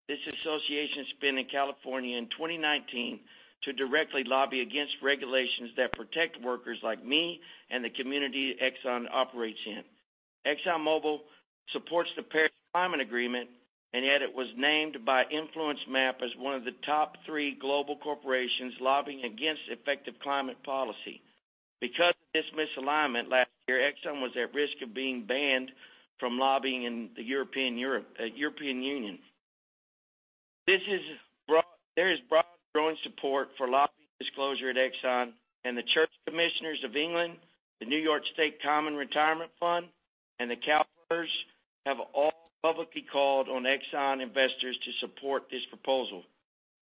this association spent in California in 2019 to directly lobby against regulations that protect workers like me and the community Exxon operates in. ExxonMobil supports the Paris Agreement, yet it was named by InfluenceMap as one of the top three global corporations lobbying against effective climate policy. Because of this misalignment last year, Exxon was at risk of being banned from lobbying in the European Union. There is broad growing support for lobbying disclosure at Exxon, the Church Commissioners for England, the New York State Common Retirement Fund, and the CalPERS have all publicly called on Exxon investors to support this proposal.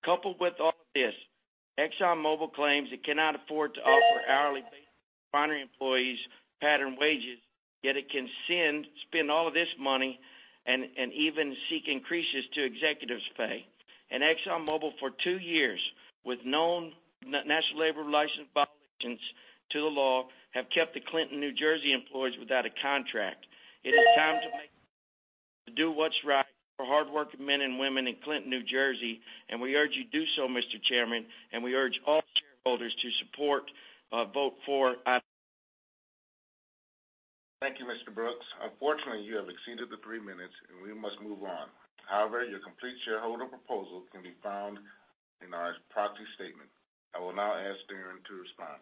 Coupled with all this, ExxonMobil claims it cannot afford to offer hourly-based refinery employees pattern wages, yet it can spend all of this money and even seek increases to executives' pay. ExxonMobil, for two years, with known National Labor Relations violations to the law, have kept the Clinton, New Jersey employees without a contract. It is time to do what's right for hardworking men and women in Clinton, New Jersey, and we urge you do so, Mr. Chairman, and we urge all shareholders to support a vote for. Thank you, Mr. Brooks. Unfortunately, you have exceeded the three minutes, and we must move on. However, your complete shareholder proposal can be found in our proxy statement. I will now ask Darren to respond.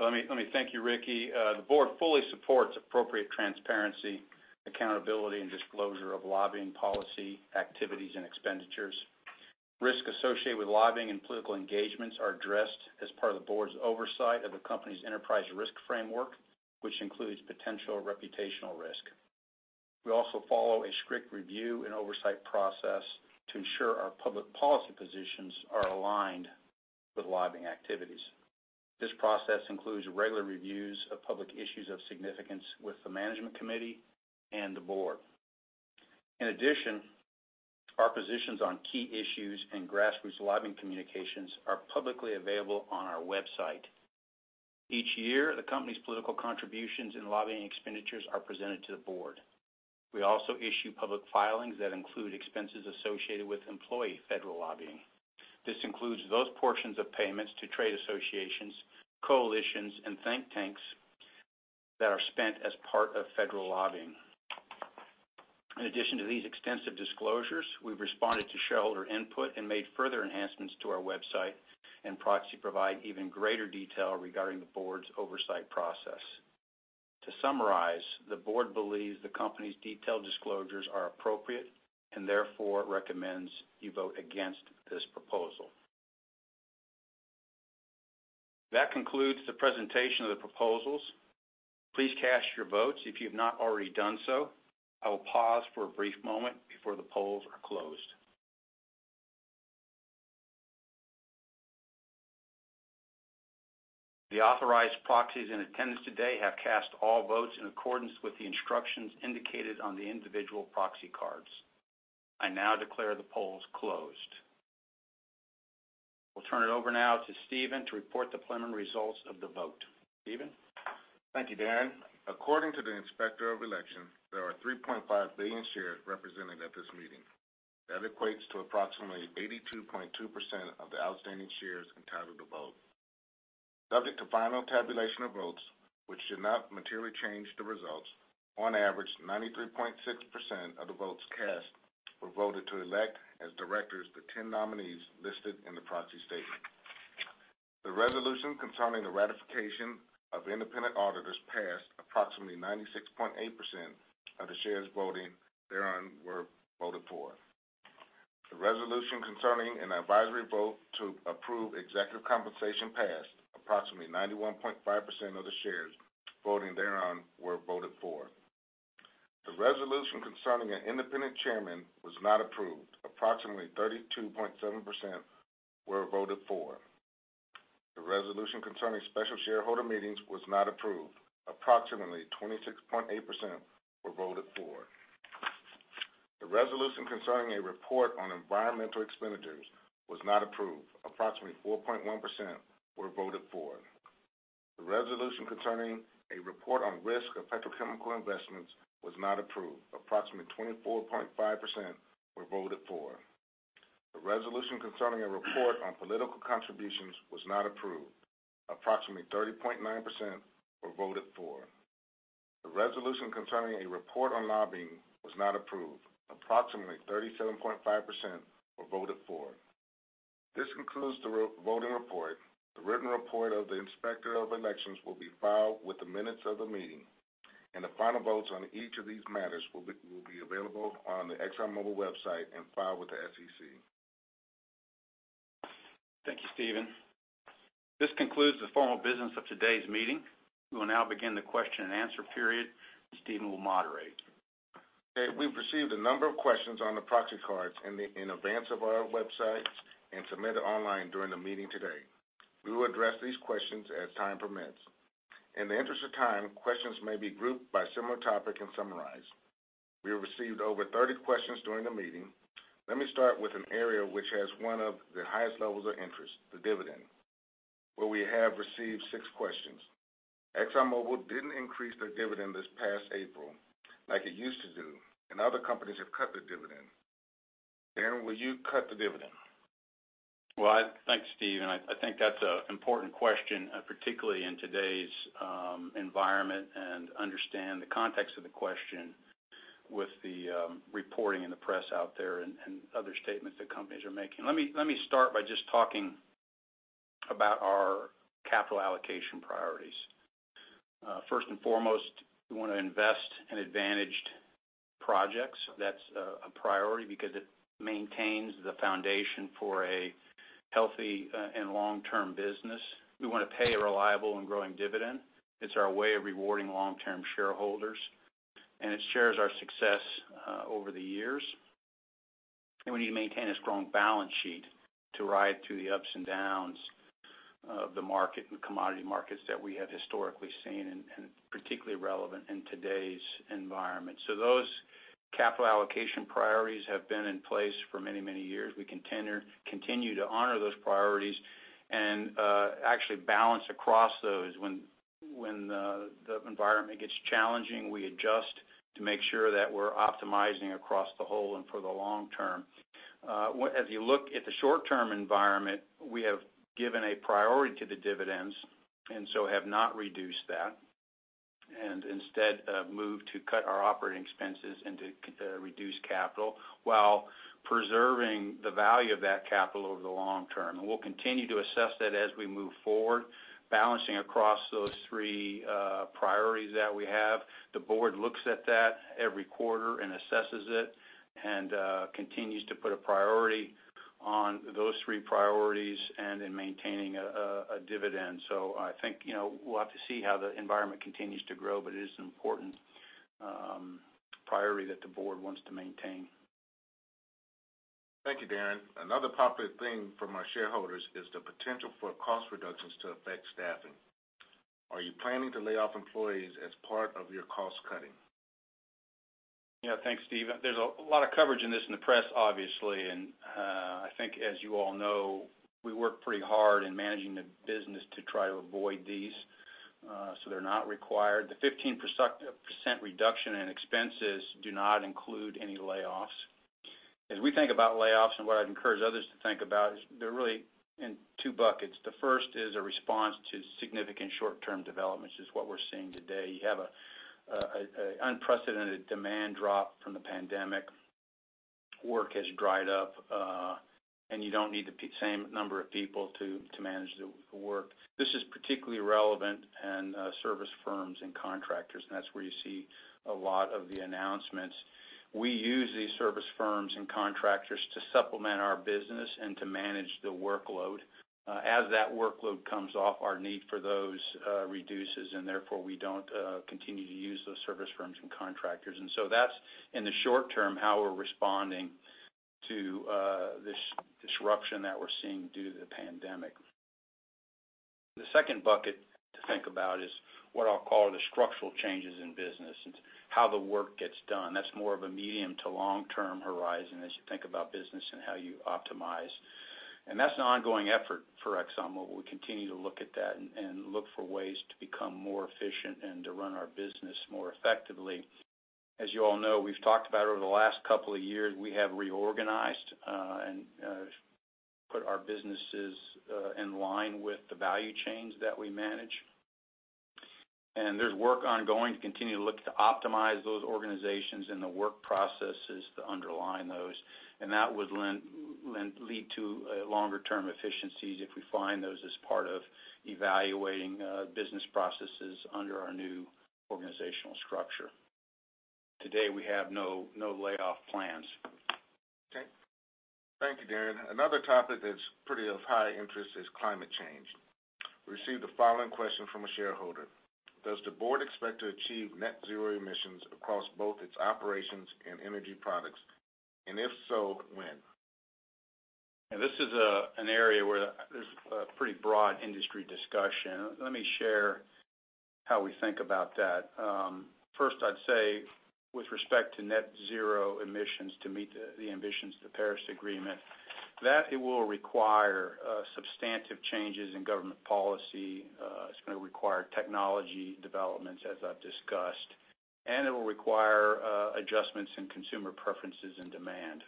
Let me thank you, Ricky. The board fully supports appropriate transparency, accountability, and disclosure of lobbying policy, activities, and expenditures. Risk associated with lobbying and political engagements are addressed as part of the board's oversight of the company's enterprise risk framework, which includes potential reputational risk. We also follow a strict review and oversight process to ensure our public policy positions are aligned with lobbying activities. This process includes regular reviews of public issues of significance with the management committee and the board. In addition, our positions on key issues and grassroots lobbying communications are publicly available on our website. Each year, the company's political contributions and lobbying expenditures are presented to the board. We also issue public filings that include expenses associated with employee federal lobbying. This includes those portions of payments to trade associations, coalitions, and think tanks that are spent as part of federal lobbying. In addition to these extensive disclosures, we've responded to shareholder input and made further enhancements to our website and proxy provide even greater detail regarding the board's oversight process. To summarize, the board believes the company's detailed disclosures are appropriate and therefore recommends you vote against this proposal. That concludes the presentation of the proposals. Please cast your votes if you've not already done so. I will pause for a brief moment before the polls are closed. The authorized proxies in attendance today have cast all votes in accordance with the instructions indicated on the individual proxy cards. I now declare the polls closed. We'll turn it over now to Stephen to report the preliminary results of the vote. Stephen? Thank you, Darren. According to the Inspector of Election, there are 3.5 billion shares represented at this meeting. That equates to approximately 82.2% of the outstanding shares entitled to vote. Subject to final tabulation of votes, which should not materially change the results, on average, 93.6% of the votes cast were voted to elect as directors the 10 nominees listed in the proxy statement. The resolution concerning the ratification of independent auditors passed. Approximately 96.8% of the shares voting thereon were voted for. The resolution concerning an advisory vote to approve executive compensation passed. Approximately 91.5% of the shares voting thereon were voted for. The resolution concerning an independent chairman was not approved. Approximately 32.7% were voted for. The resolution concerning special shareholder meetings was not approved. Approximately 26.8% were voted for. The resolution concerning a report on environmental expenditures was not approved. Approximately 4.1% were voted for. The resolution concerning a report on risk of petrochemical investments was not approved. Approximately 24.5% were voted for. The resolution concerning a report on political contributions was not approved. Approximately 30.9% were voted for. The resolution concerning a report on lobbying was not approved. Approximately 37.5% were voted for. This concludes the voting report. The written report of the Inspector of Elections will be filed with the minutes of the meeting, and the final votes on each of these matters will be available on the ExxonMobil website and filed with the SEC. Thank you, Stephen. This concludes the formal business of today's meeting. Stephen will moderate. Okay. We've received a number of questions on the proxy cards in advance of our website and submitted online during the meeting today. We will address these questions as time permits. In the interest of time, questions may be grouped by similar topic and summarized. We have received over 30 questions during the meeting. Let me start with an area which has one of the highest levels of interest, the dividend, where we have received six questions. ExxonMobil didn't increase their dividend this past April like it used to do, and other companies have cut their dividend. Darren, will you cut the dividend? Well, thanks, Stephen. I think that's an important question, particularly in today's environment, and understand the context of the question with the reporting in the press out there and other statements that companies are making. Let me start by just talking about our capital allocation priorities. First and foremost, we want to invest in advantaged projects. That's a priority because it maintains the foundation for a healthy and long-term business. We want to pay a reliable and growing dividend. It's our way of rewarding long-term shareholders, and it shares our success over the years. We need to maintain a strong balance sheet to ride through the ups and downs of the market and commodity markets that we have historically seen, and particularly relevant in today's environment. Those capital allocation priorities have been in place for many, many years. We continue to honor those priorities and actually balance across those. When the environment gets challenging, we adjust to make sure that we're optimizing across the whole and for the long term. As you look at the short-term environment, we have given a priority to the dividends, have not reduced that, and instead have moved to cut our operating expenses and to reduce capital while preserving the value of that capital over the long term. We'll continue to assess that as we move forward, balancing across those three priorities that we have. The board looks at that every quarter and assesses it and continues to put a priority on those three priorities and in maintaining a dividend. I think we'll have to see how the environment continues to grow, but it is an important priority that the board wants to maintain. Thank you, Darren. Another popular theme from our shareholders is the potential for cost reductions to affect staffing. Are you planning to lay off employees as part of your cost cutting? Yeah, thanks, Stephen. There's a lot of coverage in this in the press, obviously, and I think, as you all know, we work pretty hard in managing the business to try to avoid these so they're not required. The 15% reduction in expenses do not include any layoffs. As we think about layoffs, and what I'd encourage others to think about, is they're really in two buckets. The first is a response to significant short-term developments is what we're seeing today. You have an unprecedented demand drop from the pandemic. Work has dried up, and you don't need the same number of people to manage the work. This is particularly relevant in service firms and contractors, and that's where you see a lot of the announcements. We use these service firms and contractors to supplement our business and to manage the workload. As that workload comes off, our need for those reduces, and therefore, we don't continue to use those service firms and contractors. That's, in the short term, how we're responding to this disruption that we're seeing due to the pandemic. The second bucket to think about is what I'll call the structural changes in business. It's how the work gets done. That's more of a medium to long-term horizon as you think about business and how you optimize. That's an ongoing effort for ExxonMobil. We continue to look at that and look for ways to become more efficient and to run our business more effectively. As you all know, we've talked about over the last couple of years, we have reorganized and put our businesses in line with the value chains that we manage. There's work ongoing to continue to look to optimize those organizations and the work processes to underlie those. That would lead to longer-term efficiencies if we find those as part of evaluating business processes under our new organizational structure. Today, we have no layoff plans. Okay. Thank you, Darren. Another topic that's pretty of high interest is climate change. We received the following question from a shareholder: Does the board expect to achieve net zero emissions across both its operations and energy products? If so, when? This is an area where there's a pretty broad industry discussion. Let me share how we think about that. First, I'd say with respect to net zero emissions to meet the ambitions of the Paris Agreement, that it will require substantive changes in government policy. It's going to require technology developments, as I've discussed, and it will require adjustments in consumer preferences and demand.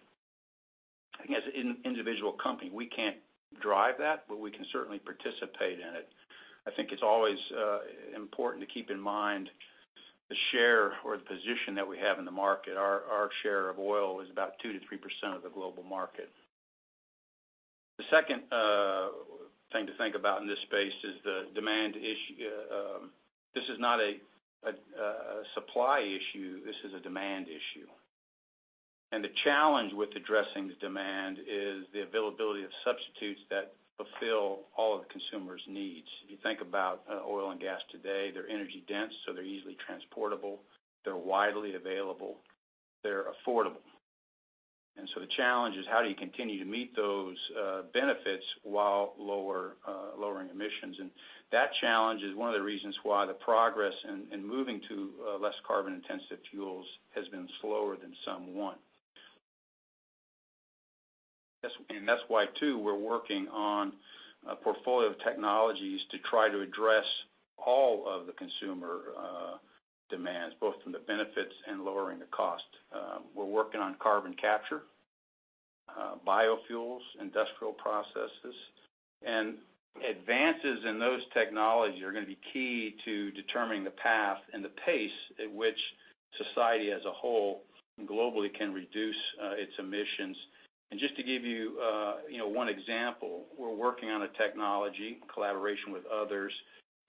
I think as an individual company, we can't drive that, but we can certainly participate in it. I think it's always important to keep in mind the share or the position that we have in the market. Our share of oil is about 2%-3% of the global market. The second thing to think about in this space is the demand issue. This is not a supply issue, this is a demand issue. The challenge with addressing the demand is the availability of substitutes that fulfill all of the consumer's needs. If you think about oil and gas today, they're energy-dense, so they're easily transportable. They're widely available. They're affordable. The challenge is how do you continue to meet those benefits while lowering emissions, and that challenge is one of the reasons why the progress in moving to less carbon-intensive fuels has been slower than some want. That's why, too, we're working on a portfolio of technologies to try to address all of the consumer demands, both from the benefits and lowering the cost. We're working on carbon capture, biofuels, industrial processes, and advances in those technologies are going to be key to determining the path and the pace at which society as a whole, globally, can reduce its emissions. Just to give you one example, we're working on a technology, collaboration with others,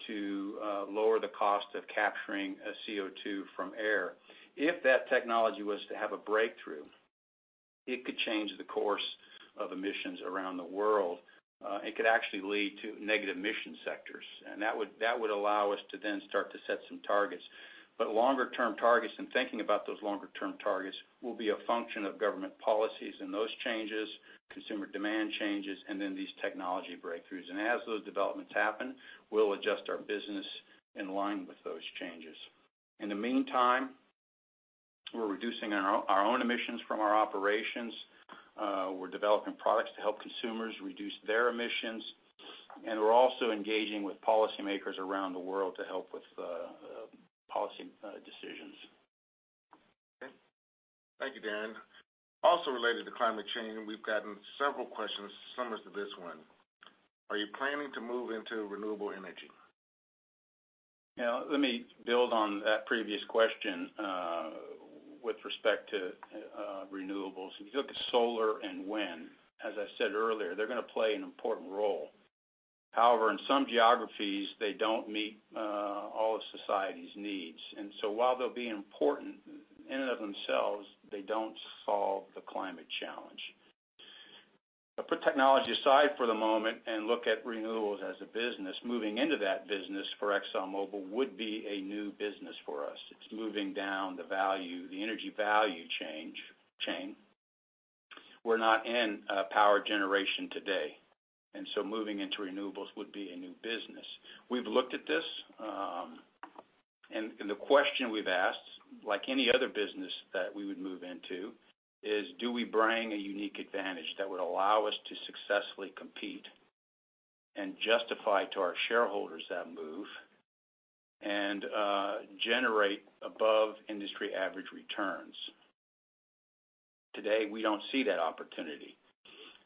to lower the cost of capturing CO2 from air. If that technology was to have a breakthrough, it could change the course of emissions around the world. It could actually lead to negative emission sectors. That would allow us to then start to set some targets. Longer-term targets and thinking about those longer-term targets will be a function of government policies and those changes, consumer demand changes, and then these technology breakthroughs. As those developments happen, we'll adjust our business in line with those changes. In the meantime, we're reducing our own emissions from our operations. We're developing products to help consumers reduce their emissions. We're also engaging with policymakers around the world to help with policy decisions. Okay. Thank you, Darren. Also related to climate change, we've gotten several questions similar to this one. Are you planning to move into renewable energy? Yeah. Let me build on that previous question with respect to renewables. If you look at solar and wind, as I said earlier, they're going to play an important role. However, in some geographies, they don't meet all of society's needs. While they'll be important in and of themselves, they don't solve the climate challenge. Put technology aside for the moment and look at renewables as a business. Moving into that business for ExxonMobil would be a new business for us. It's moving down the energy value chain. We're not in power generation today, and so moving into renewables would be a new business. We've looked at this, and the question we've asked, like any other business that we would move into, is do we bring a unique advantage that would allow us to successfully compete and justify to our shareholders that move and generate above industry average returns? Today, we don't see that opportunity.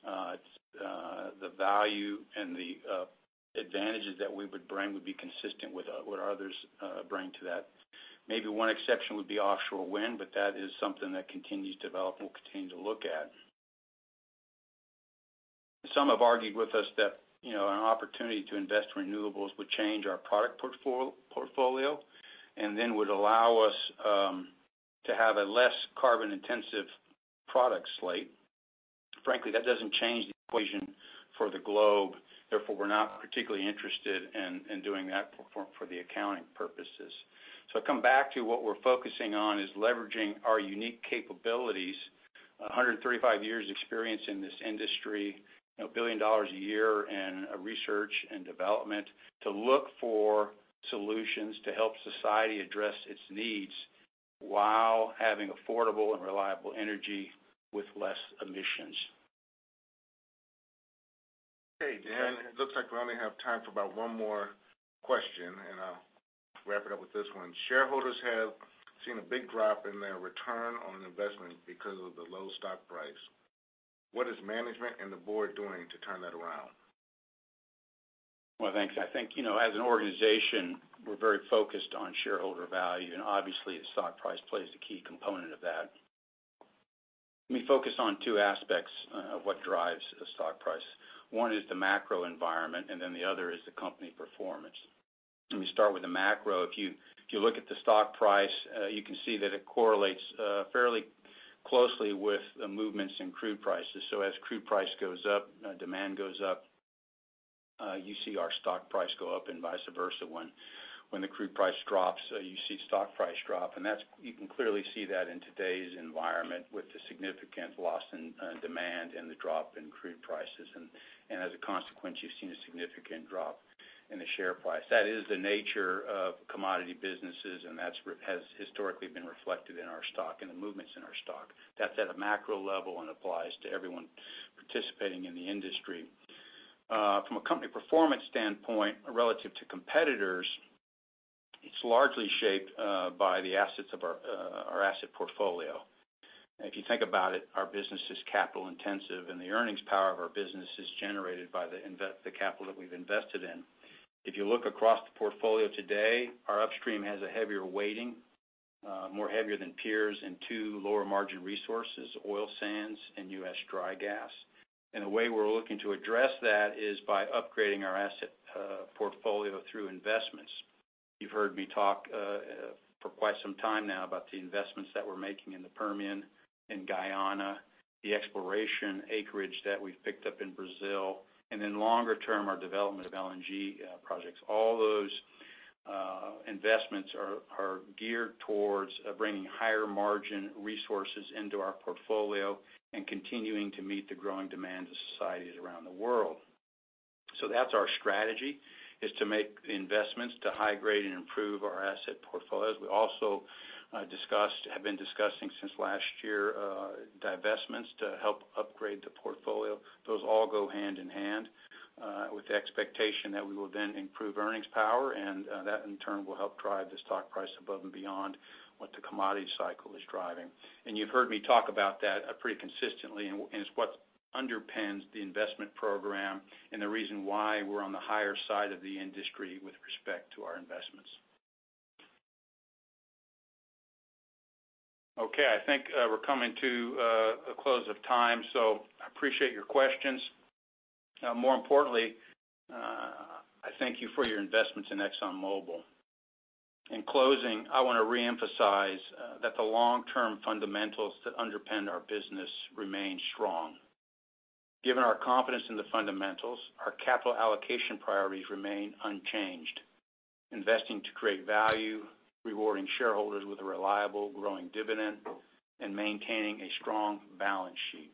The value and the advantages that we would bring would be consistent with what others bring to that. Maybe one exception would be offshore wind, but that is something that continues to develop and we'll continue to look at. Some have argued with us that an opportunity to invest in renewables would change our product portfolio and then would allow us to have a less carbon-intensive product slate. Frankly, that doesn't change the equation for the globe, therefore, we're not particularly interested in doing that for the accounting purposes. I come back to what we're focusing on is leveraging our unique capabilities, 135 years experience in this industry, $1 billion a year in research and development to look for solutions to help society address its needs while having affordable and reliable energy with less emissions. Okay, Darren, it looks like we only have time for about one more question. I'll wrap it up with this one. Shareholders have seen a big drop in their ROI because of the low stock price. What is management and the board doing to turn that around? Well, thanks. I think, as an organization, we're very focused on shareholder value, and obviously, the stock price plays a key component of that. Let me focus on two aspects of what drives a stock price. One is the macro environment, and then the other is the company performance. Let me start with the macro. If you look at the stock price, you can see that it correlates fairly closely with the movements in crude prices. As crude price goes up, demand goes up. You see our stock price go up, and vice versa. When the crude price drops, you see stock price drop. You can clearly see that in today's environment with the significant loss in demand and the drop in crude prices. As a consequence, you've seen a significant drop in the share price. That is the nature of commodity businesses, and that has historically been reflected in our stock and the movements in our stock. That's at a macro level and applies to everyone participating in the industry. From a company performance standpoint, relative to competitors, it's largely shaped by our asset portfolio. If you think about it, our business is capital intensive, and the earnings power of our business is generated by the capital that we've invested in. If you look across the portfolio today, our upstream has a heavier weighting, more heavier than peers in two lower margin resources, oil sands and U.S. dry gas. The way we're looking to address that is by upgrading our asset portfolio through investments. You've heard me talk for quite some time now about the investments that we're making in the Permian and Guyana, the exploration acreage that we've picked up in Brazil, and then longer-term, our development of LNG projects. All those investments are geared towards bringing higher margin resources into our portfolio and continuing to meet the growing demands of societies around the world. That's our strategy, is to make investments to high-grade and improve our asset portfolios. We also have been discussing since last year divestments to help upgrade the portfolio. Those all go hand in hand with the expectation that we will then improve earnings power, and that in turn will help drive the stock price above and beyond what the commodity cycle is driving. You've heard me talk about that pretty consistently, and it's what underpins the investment program and the reason why we're on the higher side of the industry with respect to our investments. Okay, I think we're coming to a close of time. I appreciate your questions. More importantly, I thank you for your investments in ExxonMobil. In closing, I want to reemphasize that the long-term fundamentals that underpin our business remain strong. Given our confidence in the fundamentals, our capital allocation priorities remain unchanged: investing to create value, rewarding shareholders with a reliable growing dividend, and maintaining a strong balance sheet.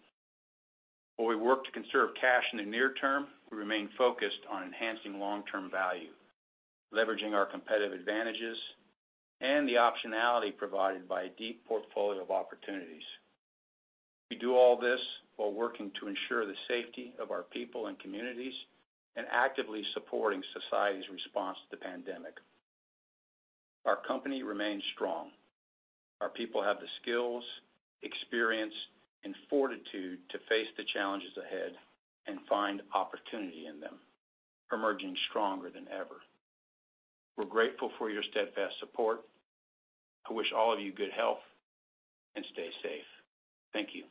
While we work to conserve cash in the near term, we remain focused on enhancing long-term value, leveraging our competitive advantages, and the optionality provided by a deep portfolio of opportunities. We do all this while working to ensure the safety of our people and communities and actively supporting society's response to the pandemic. Our company remains strong. Our people have the skills, experience, and fortitude to face the challenges ahead and find opportunity in them for emerging stronger than ever. We're grateful for your steadfast support. I wish all of you good health, and stay safe. Thank you.